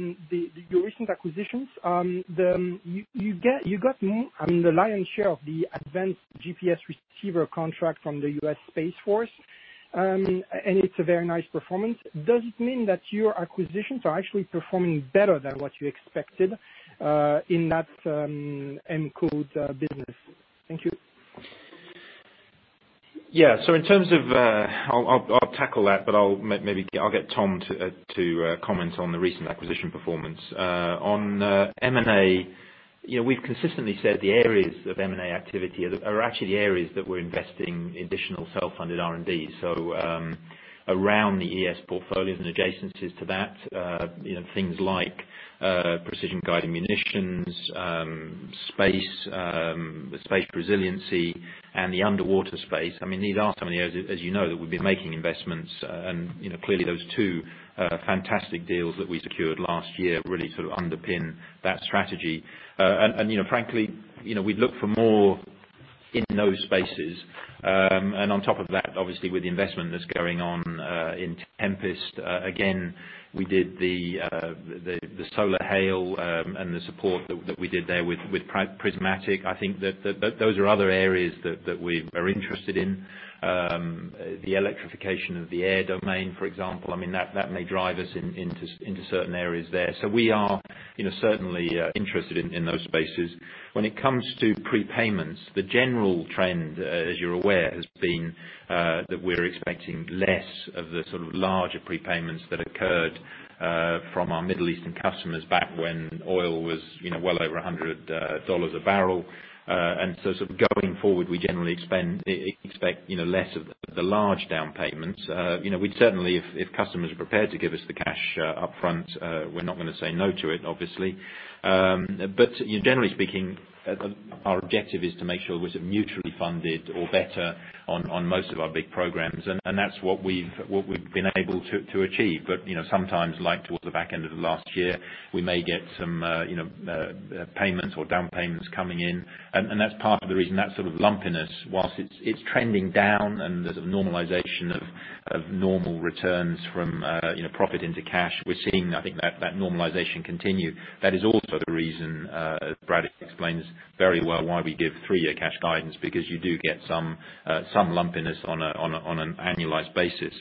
recent acquisitions. You got the lion's share of the advanced GPS receiver contract from the U.S. Space Force, and it's a very nice performance. Does it mean that your acquisitions are actually performing better than what you expected in that M-Code business? Thank you. Yeah. I'll tackle that, but I'll get Tom to comment on the recent acquisition performance. On M&A, we've consistently said the areas of M&A activity are actually the areas that we're investing additional self-funded R&D. Around the ES portfolios and adjacencies to that, things like precision-guided munitions, space resiliency, and the underwater space. These are some of the areas, as you know, that we've been making investments. Clearly those two are fantastic deals that we secured last year, really sort of underpin that strategy. Frankly, we'd look for more in those spaces. On top of that, obviously, with the investment that's going on in Tempest. Again, we did the solar HALE and the support that we did there with Prismatic. I think that those are other areas that we are interested in. The electrification of the air domain, for example, that may drive us into certain areas there. We are certainly interested in those spaces. When it comes to prepayments, the general trend, as you're aware, has been that we're expecting less of the sort of larger prepayments that occurred from our Middle Eastern customers back when oil was well over GBP 100 a barrel. Going forward, we generally expect less of the large down payments. We'd certainly, if customers are prepared to give us the cash upfront, we're not going to say no to it, obviously. Generally speaking, our objective is to make sure we're sort of mutually funded or better on most of our big programs, and that's what we've been able to achieve. Sometimes, like towards the back end of last year, we may get some payments or down payments coming in, and that's part of the reason. That sort of lumpiness, whilst it's trending down and there's a normalization of normal returns from profit into cash, we're seeing, I think, that normalization continue. That is also the reason Brad explains very well why we give three-year cash guidance, because you do get some lumpiness on an annualized basis.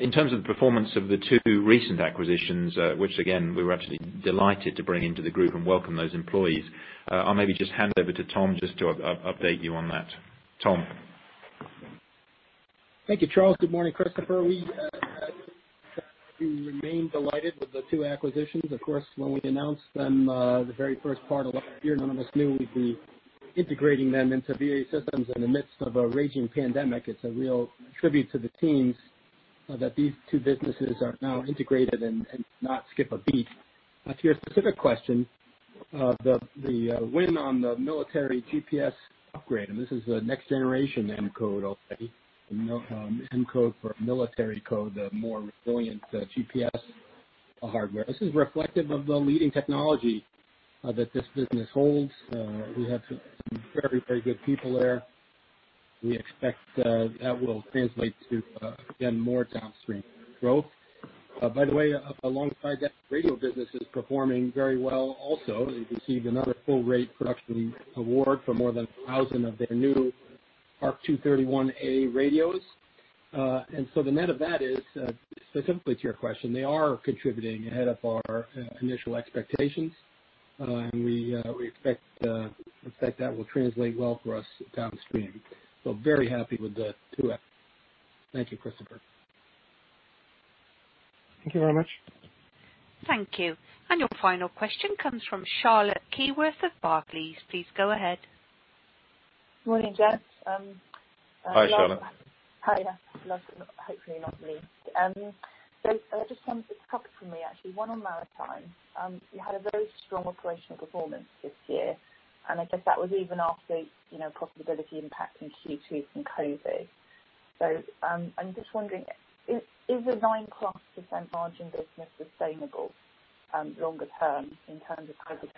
In terms of the performance of the two recent acquisitions, which again, we were actually delighted to bring into the group and welcome those employees, I'll maybe just hand over to Tom just to update you on that. Tom? Thank you, Charles. Good morning, Christophe. We remain delighted with the two acquisitions. Of course, when we announced them the very first part of last year, none of us knew we'd be integrating them into BAE Systems in the midst of a raging pandemic. It's a real tribute to the teams that these two businesses are now integrated and did not skip a beat. To your specific question, the win on the military GPS upgrade, this is a next generation M-Code, I'll say. M-Code for military code, the more resilient GPS hardware. This is reflective of the leading technology that this business holds. We have some very good people there. We expect that will translate to, again, more downstream growth. By the way, alongside that radio business is performing very well also. They received another full rate production award for more than 1,000 of their new AN/ARC-231A radios. The net of that is, specifically to your question, they are contributing ahead of our initial expectations. We expect that will translate well for us downstream. Very happy with the two. Thank you, Christophe. Thank you very much. Thank you. Your final question comes from Charlotte Keyworth of Barclays. Please go ahead. Morning, gents. Hi, Charlotte. Hi. Hopefully not me. Just some topics for me, actually. One on maritime. You had a very strong operational performance this year, and I guess that was even after profitability impact in Q2 from COVID. I'm just wondering, is a 9% plus margin business sustainable longer term in terms of COVID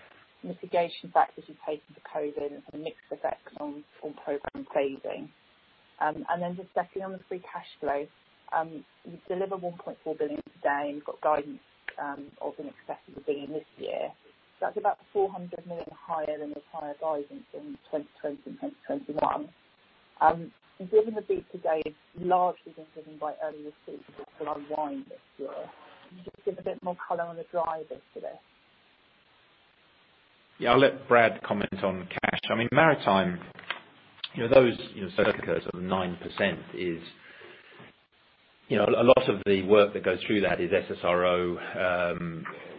mitigation factors you've taken for COVID and the mix effect on program phasing? Just secondly, on the free cash flow, you've delivered 1.4 billion to date, and you've got guidance of an excess of 1 billion this year. That's about 400 million higher than your prior guidance in 2020 and 2021. Given the beat to date has largely been driven by earlier receipts that will unwind this year, can you just give a bit more color on the drivers for this? Yeah. I'll let Brad comment on cash. Maritime, those sort of curves of 9% is, a lot of the work that goes through that is SSRO,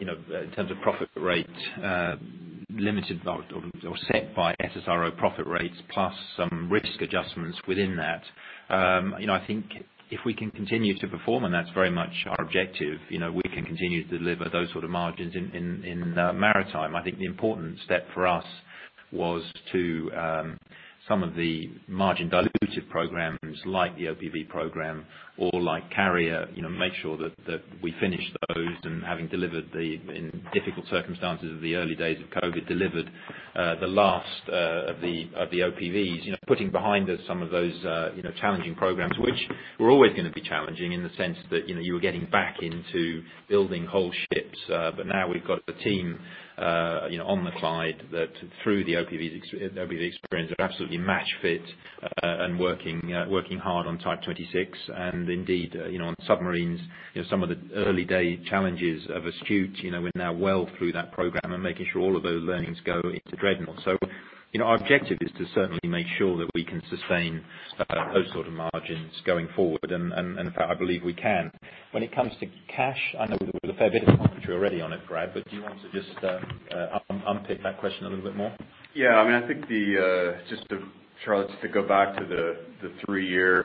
in terms of profit rate, limited or set by SSRO profit rates, plus some risk adjustments within that. I think if we can continue to perform, and that's very much our objective, we can continue to deliver those sort of margins in maritime. I think the important step for us was to some of the margin dilutive programs like the OPV Program or like Carrier, make sure that we finish those and having delivered, in difficult circumstances of the early days of COVID, delivered the last of the OPVs. Putting behind us some of those challenging programs, which were always going to be challenging in the sense that you were getting back into building whole ships. Now we've got a team on the Clyde that through the OPV experience are absolutely match fit and working hard on Type 26 and indeed, on submarines, some of the early-day challenges of Astute, we're now well through that program and making sure all of those learnings go into Dreadnought. Our objective is to certainly make sure that we can sustain those sort of margins going forward. In fact, I believe we can. When it comes to cash, I know we did a fair bit of commentary already on it, Brad, but do you want to just unpick that question a little bit more? Charlotte, just to go back to the three-year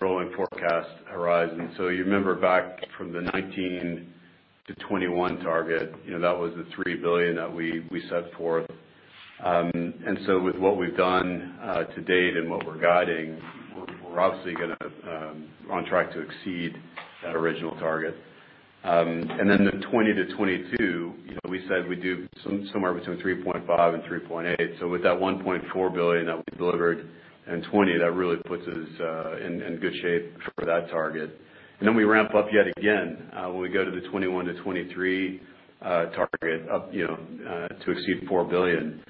rolling forecast horizon. You remember back from the 2019-2021 target, that was the 3 billion that we set forth. With what we've done to date and what we're guiding, we're obviously on track to exceed that original target. The 2020-2022, we said we'd do somewhere between 3.5 billion and 3.8 billion. With that 1.4 billion that we delivered in 2020, that really puts us in good shape for that target. We ramp up yet again, when we go to the 2021-2023 target to exceed 4 billion.